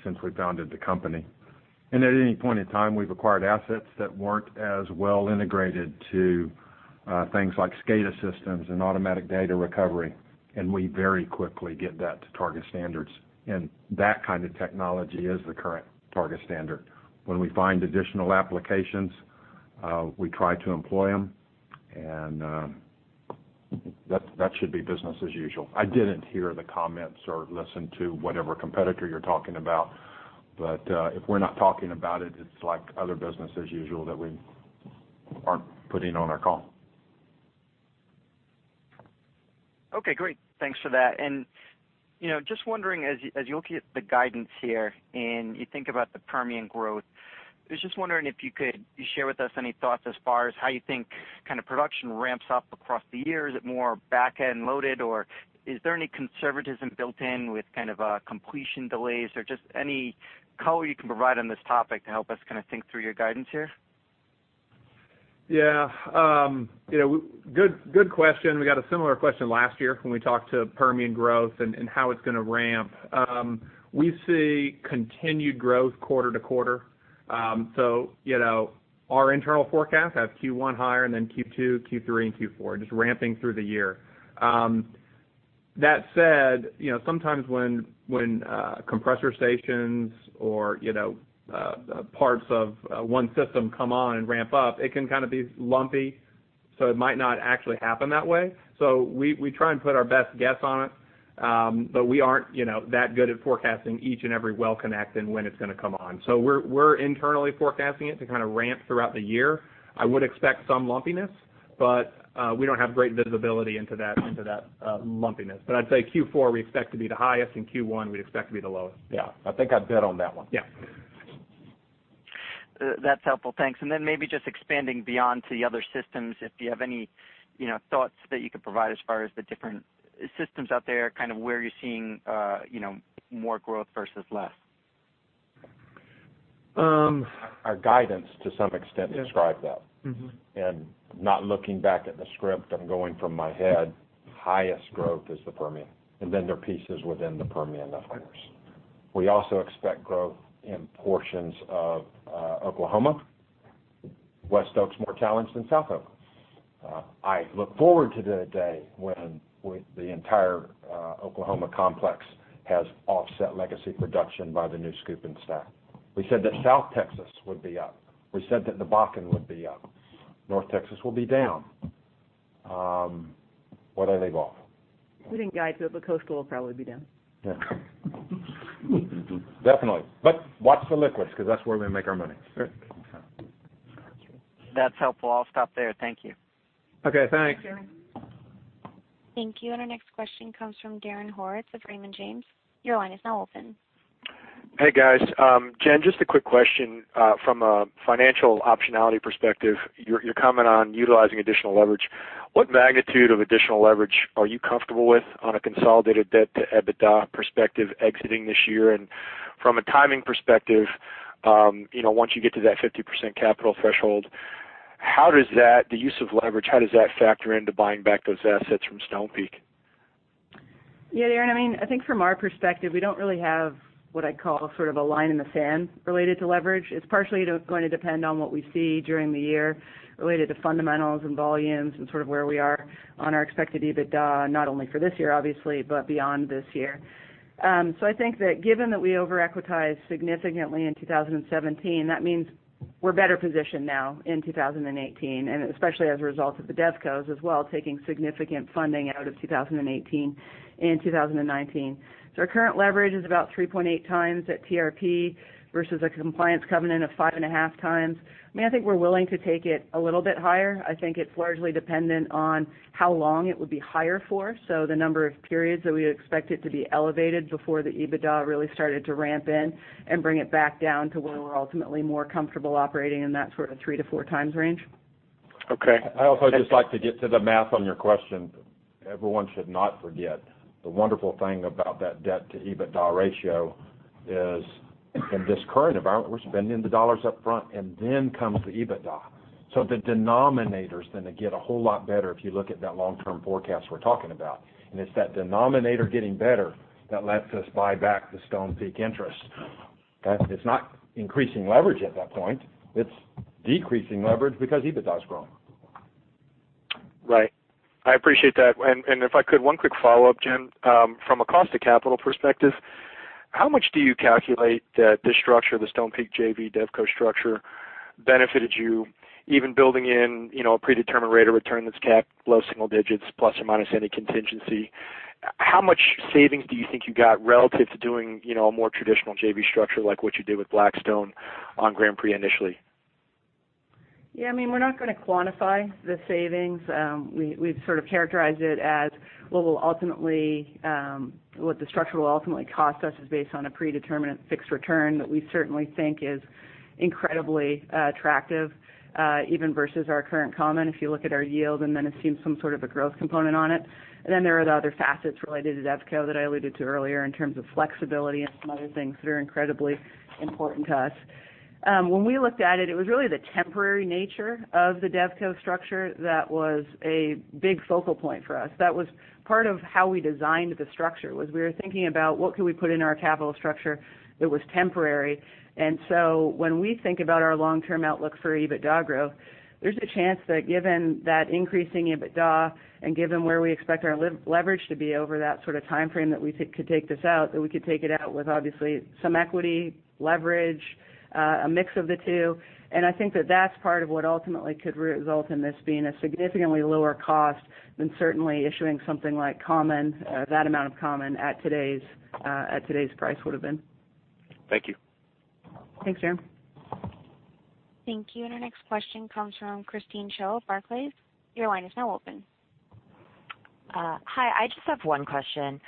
since we founded the company. At any point in time, we've acquired assets that weren't as well integrated to things like SCADA systems and automatic data recovery, and we very quickly get that to Targa standards. That kind of technology is the current Targa standard. When we find additional applications, we try to employ them, and that should be business as usual. I didn't hear the comments or listen to whatever competitor you're talking about, if we're not talking about it's like other business as usual that we aren't putting on our call. Okay, great. Thanks for that. Just wondering, as you look at the guidance here and you think about the Permian growth, I was just wondering if you could share with us any thoughts as far as how you think kind of production ramps up across the year. Is it more back-end loaded, or is there any conservatism built in with kind of completion delays? Just any color you can provide on this topic to help us kind of think through your guidance here? Yeah. Good question. We got a similar question last year when we talked to Permian growth and how it's going to ramp. We see continued growth quarter to quarter. Our internal forecast has Q1 higher and then Q2, Q3, and Q4, just ramping through the year. That said, sometimes when compressor stations or parts of one system come on and ramp up, it can kind of be lumpy, it might not actually happen that way. We try and put our best guess on it, but we aren't that good at forecasting each and every well connect and when it's going to come on. We're internally forecasting it to kind of ramp throughout the year. I would expect some lumpiness, but we don't have great visibility into that lumpiness. I'd say Q4, we expect to be the highest, and Q1, we'd expect to be the lowest. Yeah. I think I'd bet on that one. Yeah. That's helpful. Thanks. Then maybe just expanding beyond to the other systems, if you have any thoughts that you could provide as far as the different systems out there, kind of where you're seeing more growth versus less. Our guidance, to some extent, describes that. Not looking back at the script, I'm going from my head, highest growth is the Permian, and then there are pieces within the Permian, of course. We also expect growth in portions of Oklahoma. WestOK's more challenged than SouthOK. I look forward to the day when the entire Oklahoma complex has offset legacy production by the new scoop and stack. We said that West Texas would be up. We said that the Bakken would be up. North Texas will be down. What did I leave off? We didn't guide to it, Coastal will probably be down. Yeah. Definitely. Watch the liquids because that's where we make our money. That's helpful. I'll stop there. Thank you. Okay, thanks. Thank you. Thank you. Our next question comes from Darren Horowitz of Raymond James. Your line is now open. Hey, guys. Jen, just a quick question. From a financial optionality perspective, your comment on utilizing additional leverage, what magnitude of additional leverage are you comfortable with on a consolidated debt to EBITDA perspective exiting this year? From a timing perspective, once you get to that 50% capital threshold, the use of leverage, how does that factor into buying back those assets from Stonepeak? Yeah, Darren, I think from our perspective, we don't really have what I'd call a line in the sand related to leverage. It's partially going to depend on what we see during the year related to fundamentals and volumes and where we are on our expected EBITDA, not only for this year, obviously, but beyond this year. I think that given that we over-equitized significantly in 2017, that means we're better positioned now in 2018, and especially as a result of the DevCos as well, taking significant funding out of 2018 and 2019. Our current leverage is about 3.8 times at TRP versus a compliance covenant of 5.5 times. I think we're willing to take it a little bit higher. I think it's largely dependent on how long it would be higher for. The number of periods that we expect it to be elevated before the EBITDA really started to ramp in and bring it back down to where we're ultimately more comfortable operating in that sort of three to four times range. Okay. I also just like to get to the math on your question. Everyone should not forget, the wonderful thing about that debt to EBITDA ratio is in this current environment, we're spending the dollars up front and then comes the EBITDA. The denominators then get a whole lot better if you look at that long-term forecast we're talking about. It's that denominator getting better that lets us buy back the Stonepeak interest. It's not increasing leverage at that point. It's decreasing leverage because EBITDA is growing. Right. I appreciate that. If I could, one quick follow-up, Jen. From a cost to capital perspective, how much do you calculate that this structure, the Stonepeak JV DevCo structure, benefited you, even building in a predetermined rate of return that's capped low single digits plus or minus any contingency? How much savings do you think you got relative to doing a more traditional JV structure like what you did with Blackstone on Grand Prix initially? Yeah, we're not going to quantify the savings. We've sort of characterized it as what the structure will ultimately cost us is based on a predetermined fixed return that we certainly think is incredibly attractive, even versus our current common, if you look at our yield, then it seems some sort of a growth component on it. Then there are the other facets related to DevCo that I alluded to earlier in terms of flexibility and some other things that are incredibly important to us. When we looked at it was really the temporary nature of the DevCo structure that was a big focal point for us. That was part of how we designed the structure, was we were thinking about what could we put in our capital structure that was temporary. When we think about our long-term outlook for EBITDA growth, there's a chance that given that increasing EBITDA and given where we expect our leverage to be over that sort of timeframe that we could take this out, that we could take it out with obviously some equity, leverage, a mix of the two. I think that that's part of what ultimately could result in this being a significantly lower cost than certainly issuing something like common, that amount of common at today's price would've been. Thank you. Thanks, Darren. Thank you. Our next question comes from Christine Cho of Barclays. Your line is now open. Hi. I just have one question.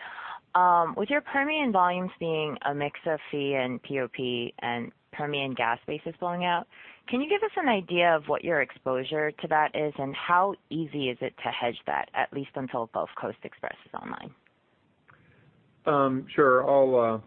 With your Permian volumes being a mix of fee and POP, and Permian gas bases blowing out, can you give us an idea of what your exposure to that is, and how easy is it to hedge that, at least until Gulf Coast Express is online? Sure. I'll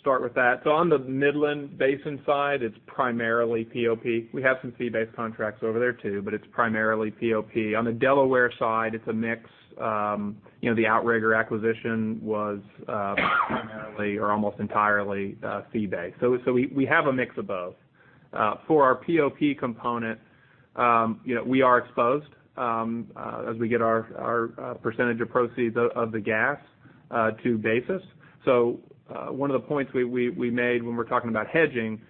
start with that. On the Midland basin side, it's primarily POP. We have some fee-based contracts over there too, but it's primarily POP. On the Delaware side, it's a mix. The Outrigger acquisition was primarily or almost entirely fee-based. We have a mix of both. For our POP component, we are exposed as we get our percentage of proceeds of the gas to basis. One of the points we made when we're talking about hedging,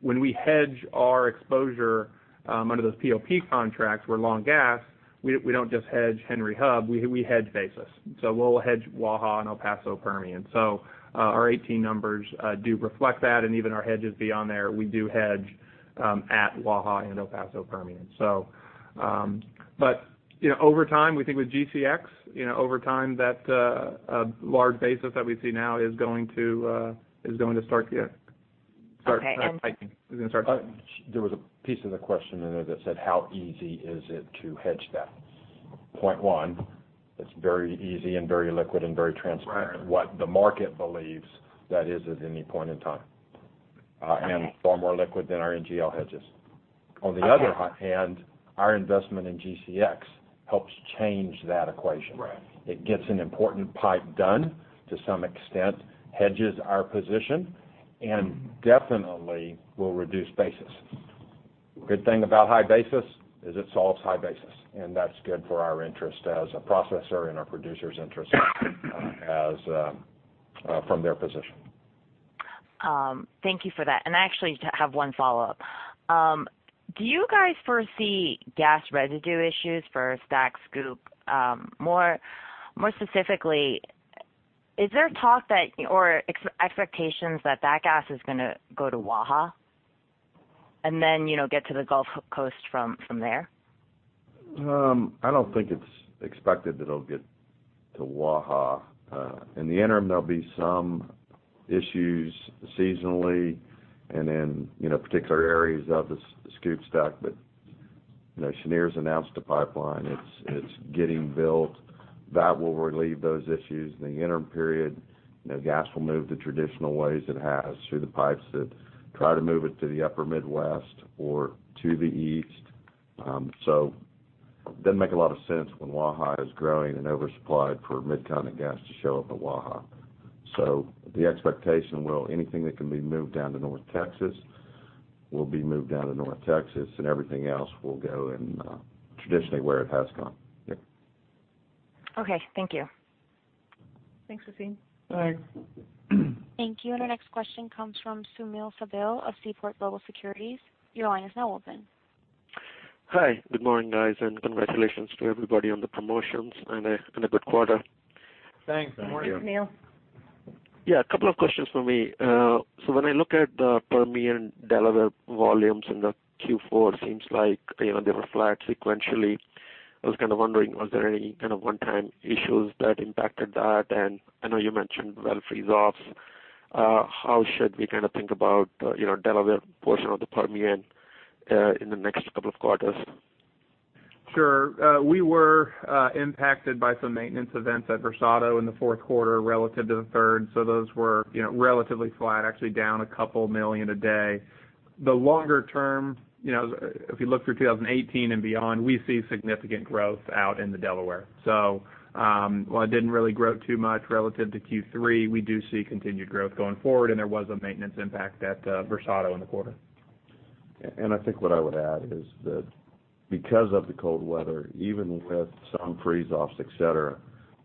when we hedge our exposure under those POP contracts, we're long gas, we don't just hedge Henry Hub, we hedge basis. We'll hedge Waha and El Paso Permian. Our 2018 numbers do reflect that, and even our hedges beyond there, we do hedge at Waha and El Paso Permian. Over time, we think with GCX, over time, that large basis that we see now is going to start to- Okay Is going to start hiking. There was a piece of the question in there that said, how easy is it to hedge that? Point one, it's very easy and very liquid and very transparent- Right What the market believes that is at any point in time. Okay. Far more liquid than our NGL hedges. Okay. On the other hand, our investment in GCX helps change that equation. Right. It gets an important pipe done, to some extent, hedges our position, and definitely will reduce basis. Good thing about high basis is it solves high basis, and that's good for our interest as a processor and our producer's interest from their position. Thank you for that. I actually have one follow-up. Do you guys foresee gas residue issues for STACK/Scoop? More specifically. Is there talk or expectations that gas is going to go to Waha and then get to the Gulf Coast from there? I don't think it's expected that it'll get to Waha. In the interim, there'll be some issues seasonally and in particular areas of the SCOOP stack. Cheniere's announced a pipeline. It's getting built. That will relieve those issues. In the interim period, gas will move the traditional ways it has through the pipes that try to move it to the upper Midwest or to the east. It doesn't make a lot of sense when Waha is growing and oversupplied for Mid-Con and gas to show up at Waha. The expectation will anything that can be moved down to North Texas will be moved down to North Texas, and everything else will go in traditionally where it has gone. Yeah. Okay. Thank you. Thanks, Christine. Bye. Thank you. Our next question comes from Sunil Sibal of Seaport Global Securities. Your line is now open. Hi. Good morning, guys, and congratulations to everybody on the promotions and a good quarter. Thanks. Good morning. Thanks, Sunil. Yeah, a couple of questions from me. When I look at the Permian Delaware volumes in the Q4, it seems like they were flat sequentially. I was kind of wondering, was there any kind of one-time issues that impacted that? I know you mentioned well freeze-offs. How should we think about Delaware portion of the Permian in the next couple of quarters? Sure. We were impacted by some maintenance events at Versado in the fourth quarter relative to the third. Those were relatively flat, actually down a couple million a day. The longer term, if you look through 2018 and beyond, we see significant growth out in the Delaware. While it didn't really grow too much relative to Q3, we do see continued growth going forward, and there was a maintenance impact at Versado in the quarter. I think what I would add is that because of the cold weather, even with some freeze-offs, et cetera,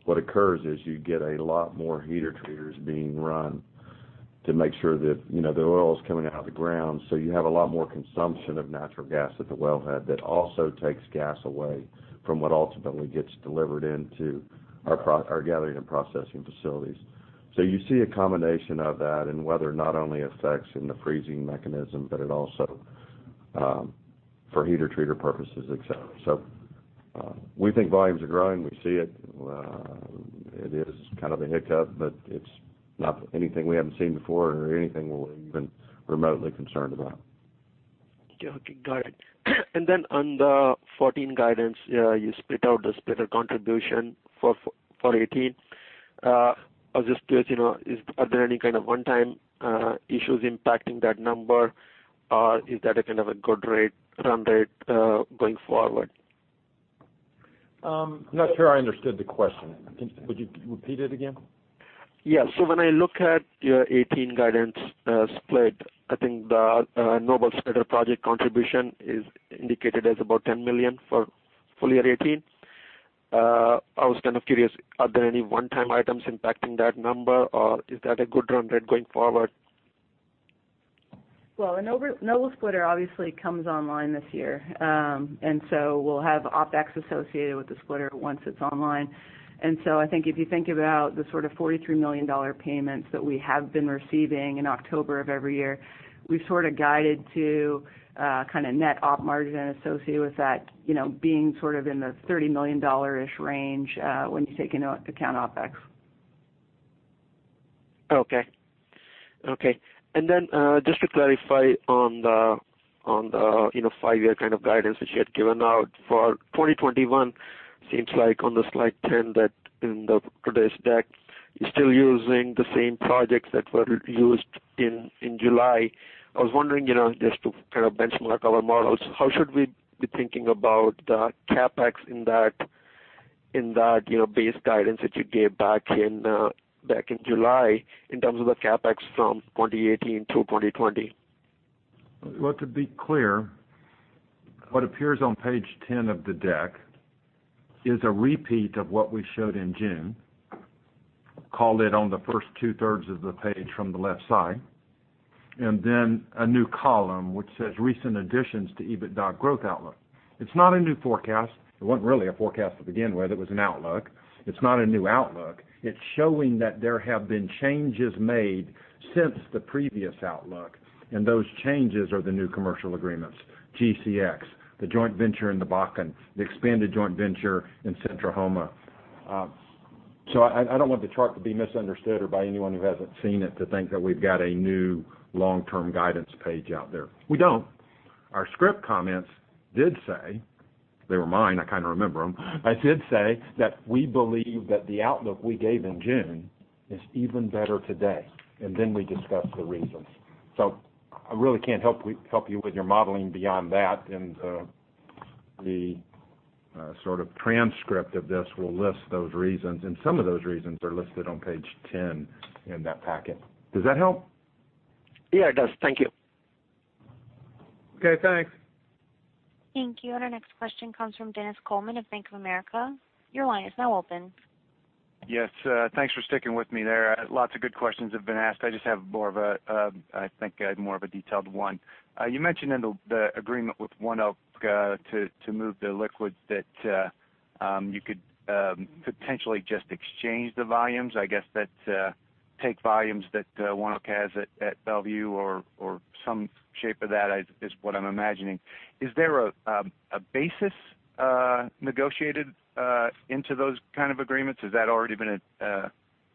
what occurs is you get a lot more heater treaters being run to make sure that the oil's coming out of the ground. You have a lot more consumption of natural gas at the wellhead that also takes gas away from what ultimately gets delivered into our gathering and processing facilities. You see a combination of that, and weather not only affects in the freezing mechanism, but it also for heater treater purposes, et cetera. We think volumes are growing. We see it. It is kind of a hiccup, but it's not anything we haven't seen before or anything we're even remotely concerned about. Yeah. Okay. Got it. On the 2014 guidance, you split out the splitter contribution for 2018. I'll just put it, are there any kind of one-time issues impacting that number, or is that a kind of a good run rate going forward? I'm not sure I understood the question. Would you repeat it again? Yeah. When I look at your 2018 guidance split, I think the Noble splitter project contribution is indicated as about $10 million for full year 2018. I was kind of curious, are there any one-time items impacting that number, or is that a good run rate going forward? Noble splitter obviously comes online this year. We'll have OpEx associated with the splitter once it's online. I think if you think about the sort of $43 million payments that we have been receiving in October of every year, we've sort of guided to kind of net Op margin associated with that being sort of in the $30 million-ish range when you take into account OpEx. Okay. Just to clarify on the five-year kind of guidance that you had given out for 2021, seems like on the slide 10 that in today's deck, you are still using the same projects that were used in July. I was wondering, just to kind of benchmark our models, how should we be thinking about the CapEx in that base guidance that you gave back in July in terms of the CapEx from 2018-2020? To be clear, what appears on page 10 of the deck is a repeat of what we showed in June, called it on the first two-thirds of the page from the left side, and then a new column which says recent additions to EBITDA growth outlook. It is not a new forecast. It was not really a forecast to begin with. It was an outlook. It is not a new outlook. It is showing that there have been changes made since the previous outlook, and those changes are the new commercial agreements, GCX, the joint venture in the Bakken, the expanded joint venture in Centrahoma. I don't want the chart to be misunderstood or by anyone who has not seen it to think that we've got a new long-term guidance page out there. We don't. Our script comments did say. They were mine, I kind of remember them. I did say that we believe that the outlook we gave in June is even better today, and then we discussed the reasons. I really can't help you with your modeling beyond that, and the sort of transcript of this will list those reasons, and some of those reasons are listed on page 10 in that packet. Does that help? Yeah, it does. Thank you. Okay, thanks. Thank you. Our next question comes from Dennis Coleman of Bank of America. Your line is now open. Yes, thanks for sticking with me there. Lots of good questions have been asked. I just have I think more of a detailed one. You mentioned in the agreement with ONEOK to move the liquids that you could potentially just exchange the volumes. I guess that's take volumes that ONEOK has at Belvieu or some shape of that is what I'm imagining. Is there a basis negotiated into those kind of agreements? Has that already been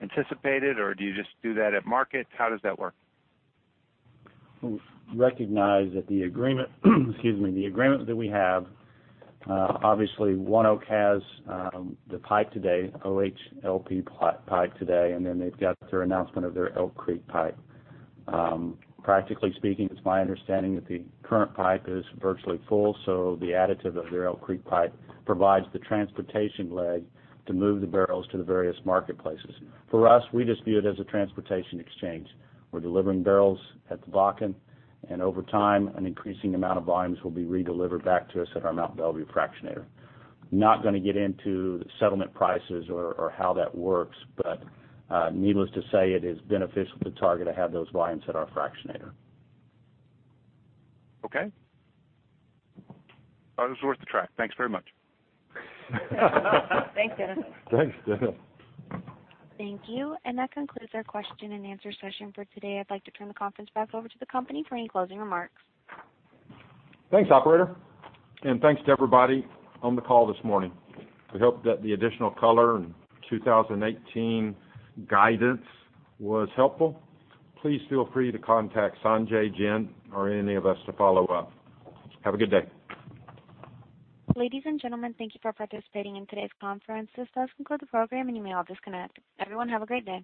anticipated, or do you just do that at market? How does that work? We recognize that the agreement that we have obviously ONEOK has the pipe today, OHLP pipe today, and then they've got their announcement of their Elk Creek pipe. Practically speaking, it's my understanding that the current pipe is virtually full, so the additive of their Elk Creek pipe provides the transportation leg to move the barrels to the various marketplaces. For us, we just view it as a transportation exchange. We're delivering barrels at the Bakken, and over time, an increasing amount of volumes will be redelivered back to us at our Mont Belvieu fractionator. Not gonna get into settlement prices or how that works. Needless to say, it is beneficial to Targa to have those volumes at our fractionator. Okay. It was worth a try. Thanks very much. Thanks, Dennis. Thanks, Dennis. Thank you. That concludes our question and answer session for today. I'd like to turn the conference back over to the company for any closing remarks. Thanks, operator, and thanks to everybody on the call this morning. We hope that the additional color and 2018 guidance was helpful. Please feel free to contact Sanjay, Jen, or any of us to follow up. Have a good day. Ladies and gentlemen, thank you for participating in today's conference. This does conclude the program, and you may all disconnect. Everyone, have a great day.